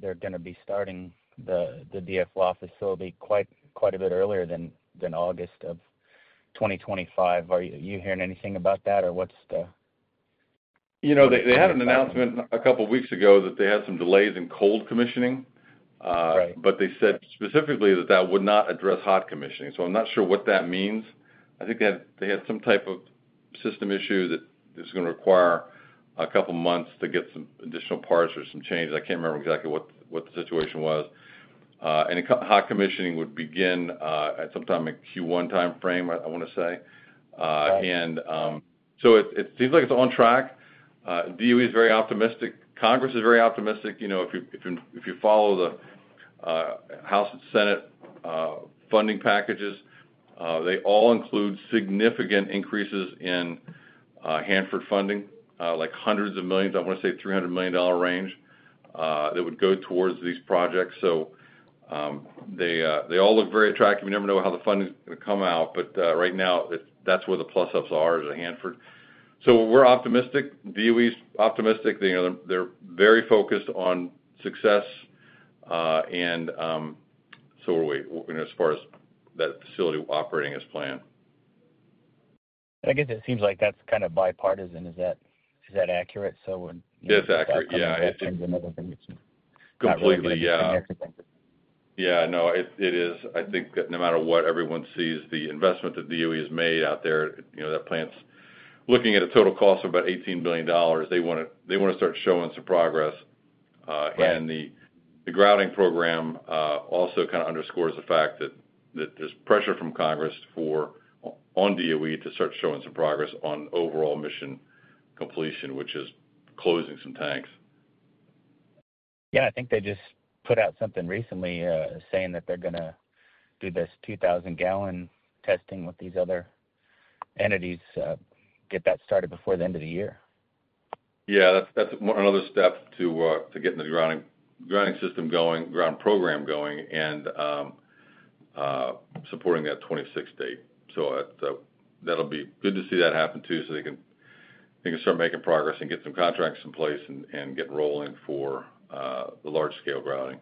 they're gonna be starting the DFLAW facility quite, quite a bit earlier than August of 2025. Are you hearing anything about that, or what's the- You know, they had an announcement a couple weeks ago that they had some delays in Cold Commissioning. Right. But they said specifically that that would not address Hot Commissioning, so I'm not sure what that means. I think they had some type of system issue that is gonna require a couple months to get some additional parts or some changes. I can't remember exactly what the situation was. And Hot Commissioning would begin at some time in Q1 time frame, I want to say. Right. And, so it seems like it's on track. DOE is very optimistic. Congress is very optimistic. You know, if you follow the House and Senate funding packages, they all include significant increases in Hanford funding, like hundreds of millions, I want to say $300 million range, that would go towards these projects. So, they all look very attractive. You never know how the funding is gonna come out, but right now, that's where the plus ups are, is at Hanford. So we're optimistic. DOE is optimistic. They are very focused on success, and, so are we, as far as that facility operating as planned. I guess it seems like that's kind of bipartisan. Is that, is that accurate? So when- It is accurate, yeah. Completely, yeah. Yeah, no, it is. I think that no matter what everyone sees, the investment that DOE has made out there, you know, that plant's looking at a total cost of about $18 billion. They wanna, they wanna start showing some progress. Right. And the grouting program also kind of underscores the fact that there's pressure from Congress on DOE to start showing some progress on overall mission completion, which is closing some tanks. Yeah, I think they just put out something recently, saying that they're gonna do this 2,000 gal testing with these other entities, get that started before the end of the year. Yeah, that's one another step to getting the grouting system going, grouting program going and supporting that 26 date. That'll be good to see that happen, too, so they can start making progress and get some contracts in place and get rolling for the large-scale grouting.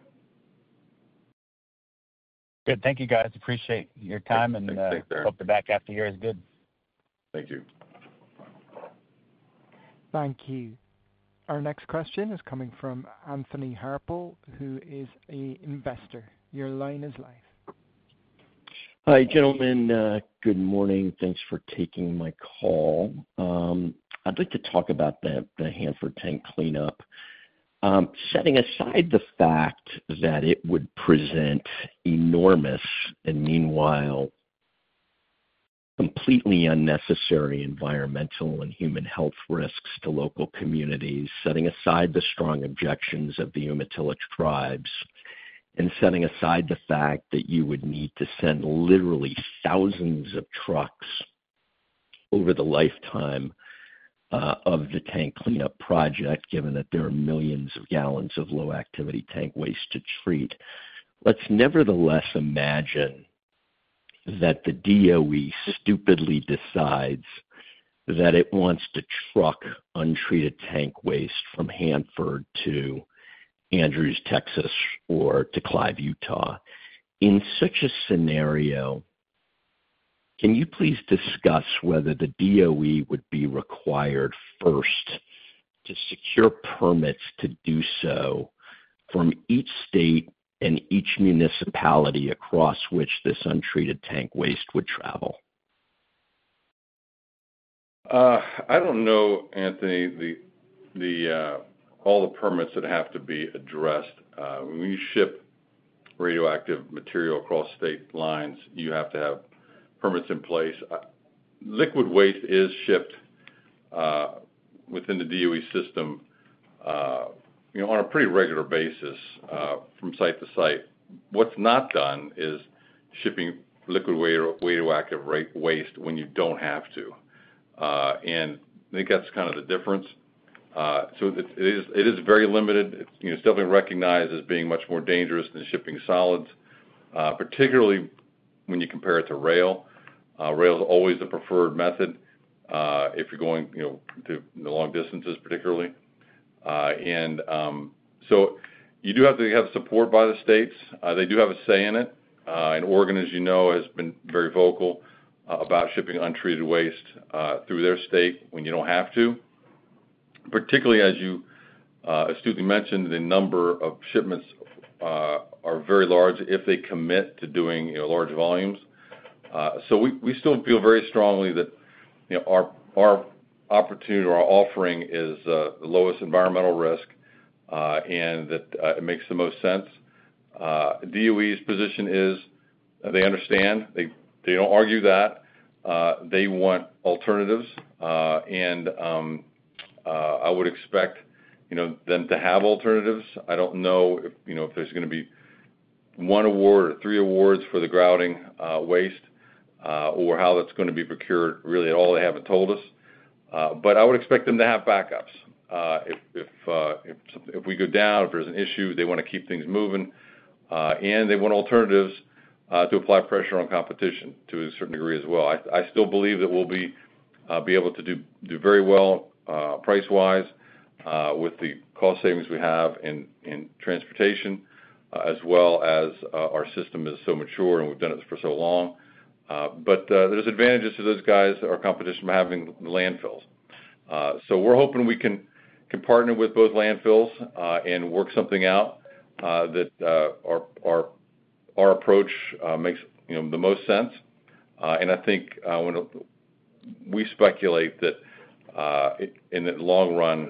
Good. Thank you, guys. Appreciate your time. Yeah. Thanks, Aaron. and hope the back half of the year is good. Thank you. Thank you. Our next question is coming from Anthony Harpell, who is a investor. Your line is live. Hi, gentlemen. Good morning. Thanks for taking my call. I'd like to talk about the Hanford tank cleanup. Setting aside the fact that it would present enormous and meanwhile, completely unnecessary environmental and human health risks to local communities, setting aside the strong objections of the Umatilla Tribes, and setting aside the fact that you would need to send literally thousands of trucks over the lifetime of the tank cleanup project, given that there are millions of gallons of low-activity tank waste to treat. Let's nevertheless imagine that the DOE stupidly decides that it wants to truck untreated tank waste from Hanford to Andrews, Texas, or to Clive, Utah. In such a scenario, can you please discuss whether the DOE would be required first to secure permits to do so from each state and each municipality across which this untreated tank waste would travel? I don't know, Anthony, the all the permits that have to be addressed. When you ship radioactive material across state lines, you have to have permits in place. Liquid waste is shipped within the DOE system, you know, on a pretty regular basis, from site to site. What's not done is shipping liquid radioactive waste when you don't have to. And I think that's kind of the difference. So it is very limited. It's, you know, certainly recognized as being much more dangerous than shipping solids, particularly when you compare it to rail. Rail is always the preferred method, if you're going, you know, to the long distances, particularly. And so you do have to have support by the states. They do have a say in it. And Oregon, as you know, has been very vocal about shipping untreated waste through their state when you don't have to. Particularly as you astutely mentioned, the number of shipments are very large if they commit to doing, you know, large volumes. So we, we still feel very strongly that, you know, our, our opportunity or our offering is the lowest environmental risk and that it makes the most sense. DOE's position is they understand. They, they don't argue that. They want alternatives. And I would expect, you know, them to have alternatives. I don't know if, you know, if there's gonna be 1 award or 3 awards for the grouting waste or how that's gonna be procured really at all. They haven't told us. But I would expect them to have backups. If we go down, if there's an issue, they want to keep things moving, and they want alternatives to apply pressure on competition to a certain degree as well. I still believe that we'll be able to do very well price-wise with the cost savings we have in transportation as well as our system is so mature, and we've done it for so long. But there's advantages to those guys, our competition, from having the landfills. So we're hoping we can partner with both landfills and work something out that our approach makes, you know, the most sense. And I think we speculate that in the long run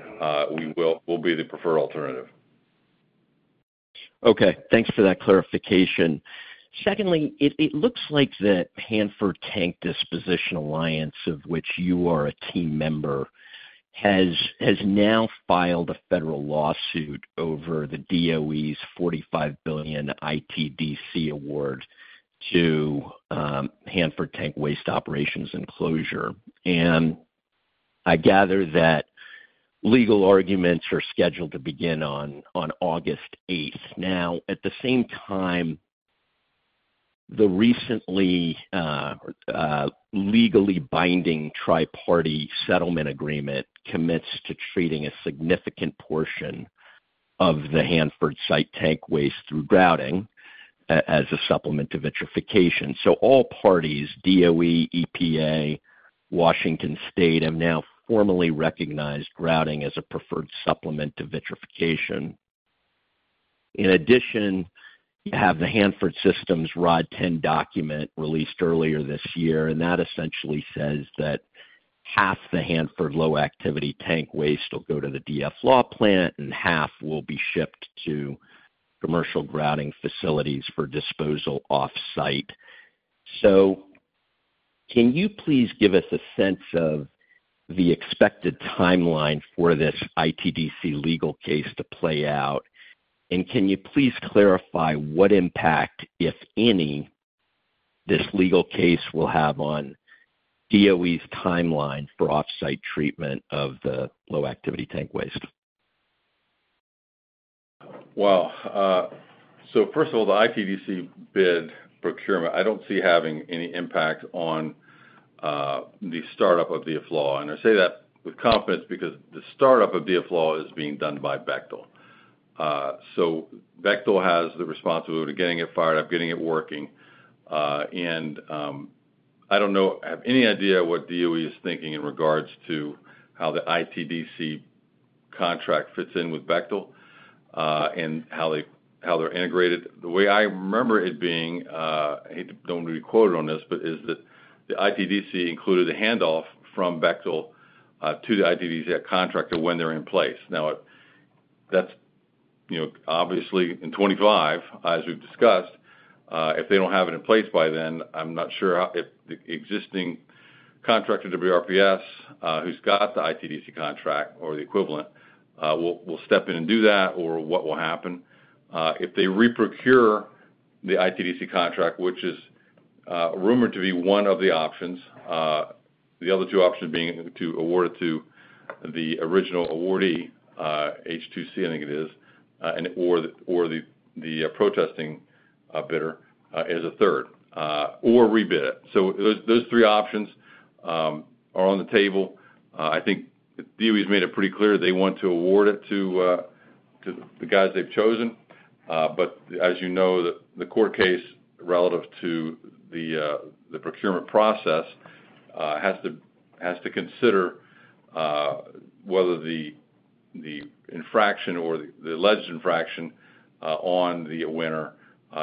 we'll be the preferred alternative. Okay, thanks for that clarification. Secondly, it looks like the Hanford Tank Disposition Alliance, of which you are a team member, has now filed a federal lawsuit over the DOE's $45 billion ITDC award to Hanford Tank Waste Operations and Closure. And I gather that legal arguments are scheduled to begin on August eighth. Now, at the same time, the recently legally binding Tri-Party settlement agreement commits to treating a significant portion of the Hanford site tank waste through grouting as a supplement to vitrification. So all parties, DOE, EPA, Washington State, have now formally recognized grouting as a preferred supplement to vitrification. In addition, you have the Hanford System Plan Revision 10 document released earlier this year, and that essentially says that half the Hanford low-activity tank waste will go to the DFLAW plant, and half will be shipped to commercial grouting facilities for disposal offsite. So can you please give us a sense of the expected timeline for this ITDC legal case to play out? And can you please clarify what impact, if any, this legal case will have on DOE's timeline for offsite treatment of the low-activity tank waste? Well, so first of all, the ITDC bid procurement, I don't see having any impact on the startup of the DFLAW. And I say that with confidence because the startup of DFLAW is being done by Bechtel. So Bechtel has the responsibility of getting it fired up, getting it working. And I don't know, have any idea what DOE is thinking in regards to how the ITDC contract fits in with Bechtel and how they, how they're integrated. The way I remember it being, I hate to, don't want to be quoted on this, but is that the ITDC included a handoff from Bechtel to the ITDC contractor when they're in place. Now, that's, you know, obviously in 2025, as we've discussed, if they don't have it in place by then, I'm not sure if the existing contractor, WRPS, who's got the ITDC contract or the equivalent, will step in and do that or what will happen. If they reprocure the ITDC contract, which is rumored to be one of the options, the other two options being to award it to the original awardee, H2C, I think it is, and/or the protesting bidder as a third, or rebid it. So those three options are on the table. I think DOE's made it pretty clear they want to award it to the guys they've chosen. But as you know, the court case relative to the procurement process has to consider whether the infraction or the alleged infraction on the winner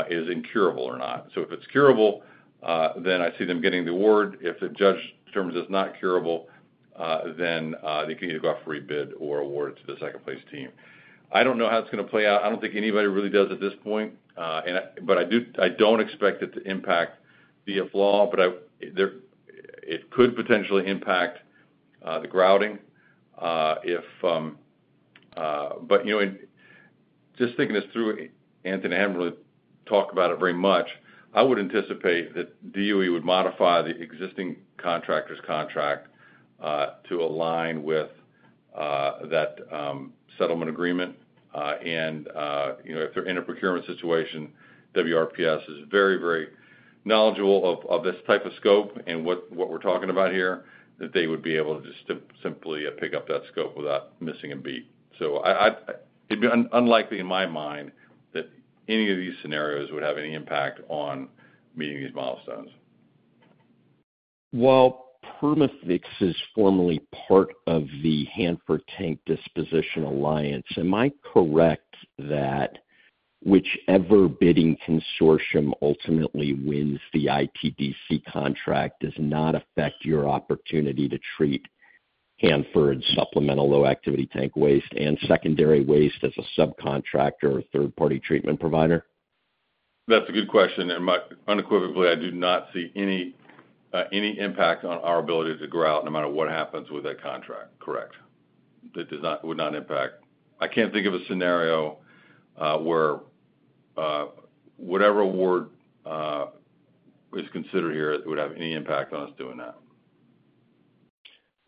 is incurable or not. So if it's curable, then I see them getting the award. If the judge determines it's not curable, then they can either go off rebid or award it to the second place team. I don't know how it's gonna play out. I don't think anybody really does at this point, and I don't expect it to impact the FLAW, but there it could potentially impact the grouting if... But, you know, and just thinking this through, Anthony, and Amber talked about it very much, I would anticipate that DOE would modify the existing contractor's contract to align with that settlement agreement. And, you know, if they're in a procurement situation, WRPS is very, very knowledgeable of this type of scope and what we're talking about here, that they would be able to just simply pick up that scope without missing a beat. So I, it'd be unlikely in my mind that any of these scenarios would have any impact on meeting these milestones. Well, Perma-Fix is formerly part of the Hanford Tank Disposition Alliance. Am I correct that whichever bidding consortium ultimately wins the ITDC contract does not affect your opportunity to treat Hanford's supplemental low activity tank waste and secondary waste as a subcontractor or third-party treatment provider? That's a good question, and unequivocally, I do not see any impact on our ability to grout, no matter what happens with that contract. Correct. That does not, would not impact. I can't think of a scenario where whatever award is considered here would have any impact on us doing that.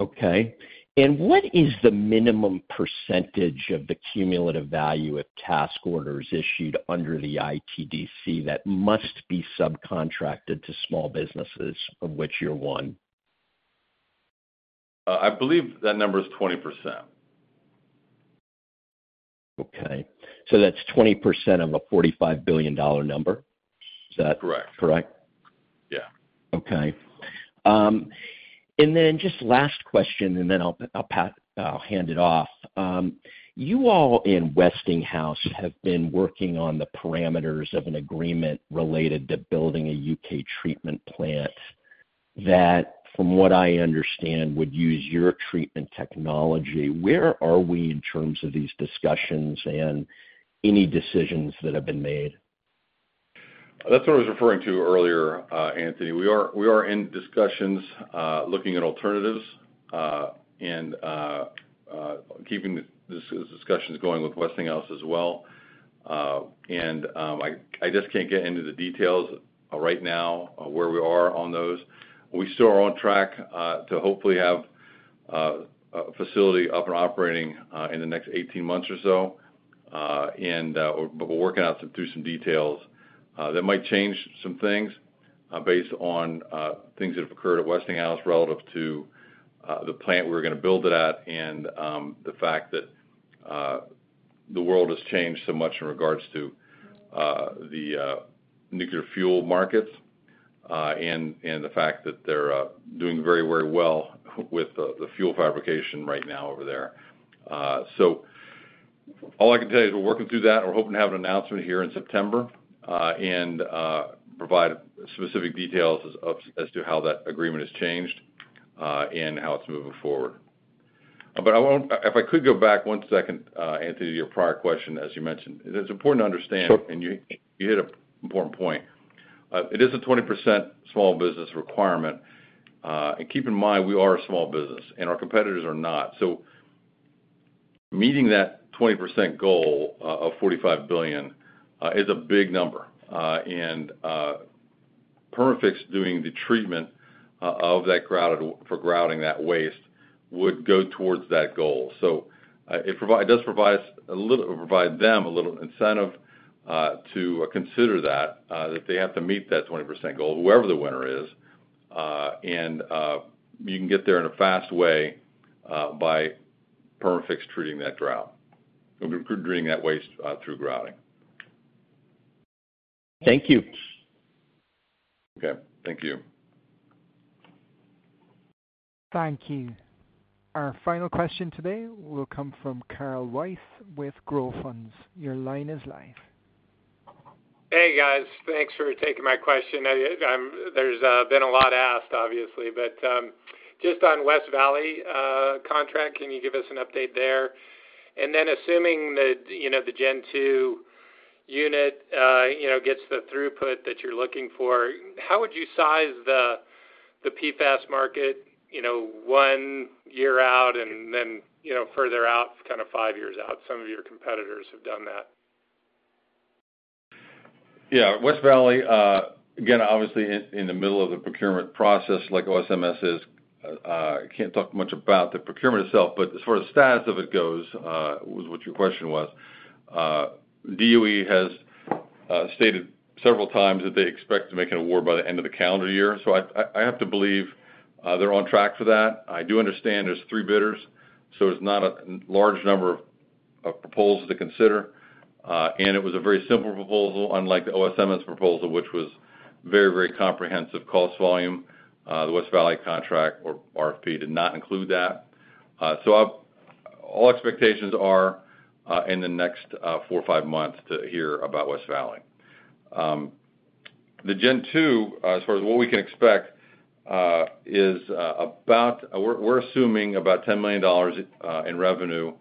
Okay. What is the minimum percentage of the cumulative value of task orders issued under the ITDC that must be subcontracted to small businesses, of which you're one? I believe that number is 20%. Okay. So that's 20% of a $45 billion number? Is that- Correct. Correct? Yeah. Okay. And then just last question, and then I'll, I'll hand it off. You all in Westinghouse have been working on the parameters of an agreement related to building a U.K. treatment plant that, from what I understand, would use your treatment technology. Where are we in terms of these discussions and any decisions that have been made? That's what I was referring to earlier, Anthony. We are in discussions, looking at alternatives, and keeping these discussions going with Westinghouse as well. I just can't get into the details right now, where we are on those. We still are on track to hopefully have a facility up and operating in the next 18 months or so. But we're working out through some details that might change some things based on things that have occurred at Westinghouse relative to the plant we're gonna build it at, and the fact that the world has changed so much in regards to the nuclear fuel markets, and the fact that they're doing very, very well with the fuel fabrication right now over there. So all I can tell you is we're working through that, and we're hoping to have an announcement here in September, and provide specific details as to how that agreement has changed, and how it's moving forward. But I won't—if I could go back one second, Anthony, to your prior question, as you mentioned, it's important to understand- Sure. and you, you hit an important point. It is a 20% small business requirement. And keep in mind, we are a small business, and our competitors are not. So meeting that 20% goal, of $45 billion, is a big number. And, Perma-Fix doing the treatment, of that grout, for grouting that waste would go towards that goal. So, it does provide them a little incentive, to consider that, that they have to meet that 20% goal, whoever the winner is. And, you can get there in a fast way, by Perma-Fix treating that grout. Treating that waste, through grouting. Thank you. Okay, thank you. Thank you. Our final question today will come from Carl Weiss with Growth Funds. Your line is live. Hey, guys. Thanks for taking my question. I, there's been a lot asked, obviously, but, just on West Valley contract, can you give us an update there? And then assuming that, you know, the Gen 2 unit, you know, gets the throughput that you're looking for, how would you size the PFAS market, you know, one year out and then, you know, further out, kind of five years out? Some of your competitors have done that. Yeah, West Valley, again, obviously in the middle of the procurement process, like OSMS is, can't talk much about the procurement itself, but as far as status of it goes, was what your question was, DOE has stated several times that they expect to make an award by the end of the calendar year. So I have to believe they're on track for that. I do understand there's three bidders, so it's not a large number of proposals to consider. And it was a very simple proposal, unlike the OSMS proposal, which was very, very comprehensive cost volume. The West Valley contract or RFP did not include that. So all expectations are in the next four or five months to hear about West Valley. The Gen 2, as far as what we can expect, is about—we're assuming about $10 million in revenue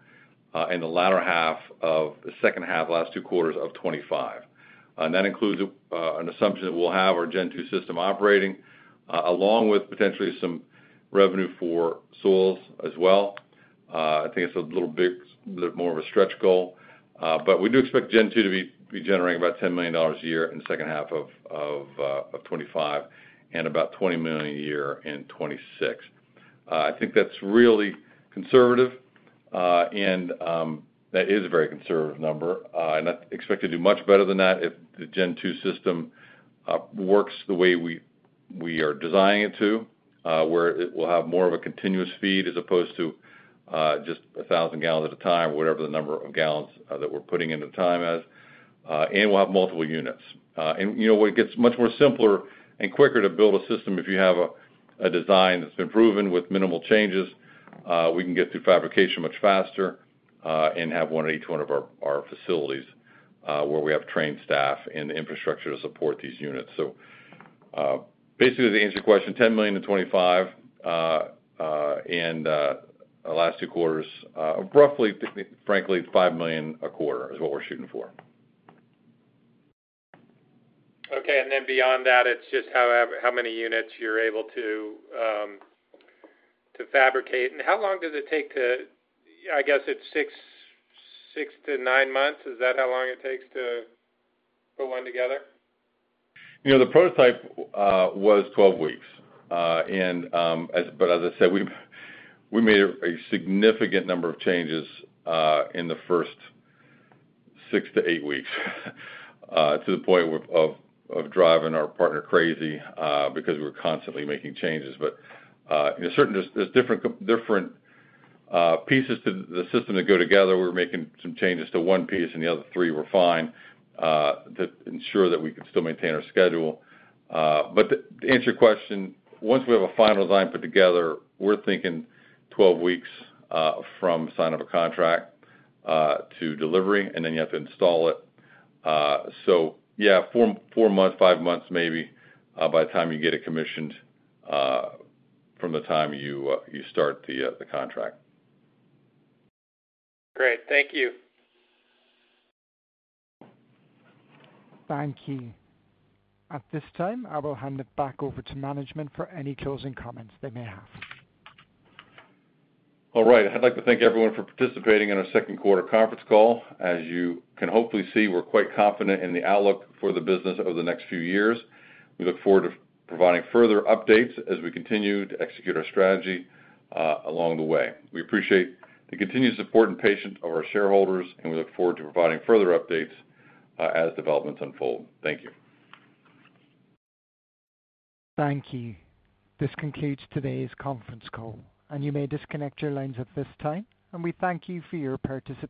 in the latter half of the second half, last two quarters of 2025. That includes an assumption that we'll have our Gen 2 system operating along with potentially some revenue for soils as well. I think it's a little big, little more of a stretch goal. But we do expect Gen 2 to be generating about $10 million a year in the second half of 2025 and about $20 million a year in 2026. I think that's really conservative, and that is a very conservative number. And I expect to do much better than that if the Gen 2 system works the way we are designing it to, where it will have more of a continuous feed as opposed to just 1,000 gal at a time, whatever the number of gallons that we're putting in at a time, and we'll have multiple units. And, you know, when it gets much more simpler and quicker to build a system, if you have a design that's been proven with minimal changes, we can get through fabrication much faster, and have one at each one of our facilities, where we have trained staff and the infrastructure to support these units. Basically, to answer your question, $10 million-$25 million in the last two quarters, roughly, frankly, $5 million a quarter is what we're shooting for. Okay, and then beyond that, it's just how many units you're able to fabricate. And how long does it take to... I guess it's 6-9 months. Is that how long it takes to put one together? You know, the prototype was 12 weeks. But as I said, we've made a significant number of changes in the first 6 to 8 weeks to the point of driving our partner crazy because we were constantly making changes. But there's different pieces to the system that go together. We're making some changes to one piece, and the other three were fine to ensure that we could still maintain our schedule. But to answer your question, once we have a final design put together, we're thinking 12 weeks from sign of a contract to delivery, and then you have to install it. So yeah, 4, 4 months, 5 months, maybe, by the time you get it commissioned, from the time you start the contract. Great. Thank you. Thank you. At this time, I will hand it back over to management for any closing comments they may have. All right. I'd like to thank everyone for participating in our second quarter conference call. As you can hopefully see, we're quite confident in the outlook for the business over the next few years. We look forward to providing further updates as we continue to execute our strategy, along the way. We appreciate the continued support and patience of our shareholders, and we look forward to providing further updates, as developments unfold. Thank you. Thank you. This concludes today's conference call, and you may disconnect your lines at this time, and we thank you for your participation.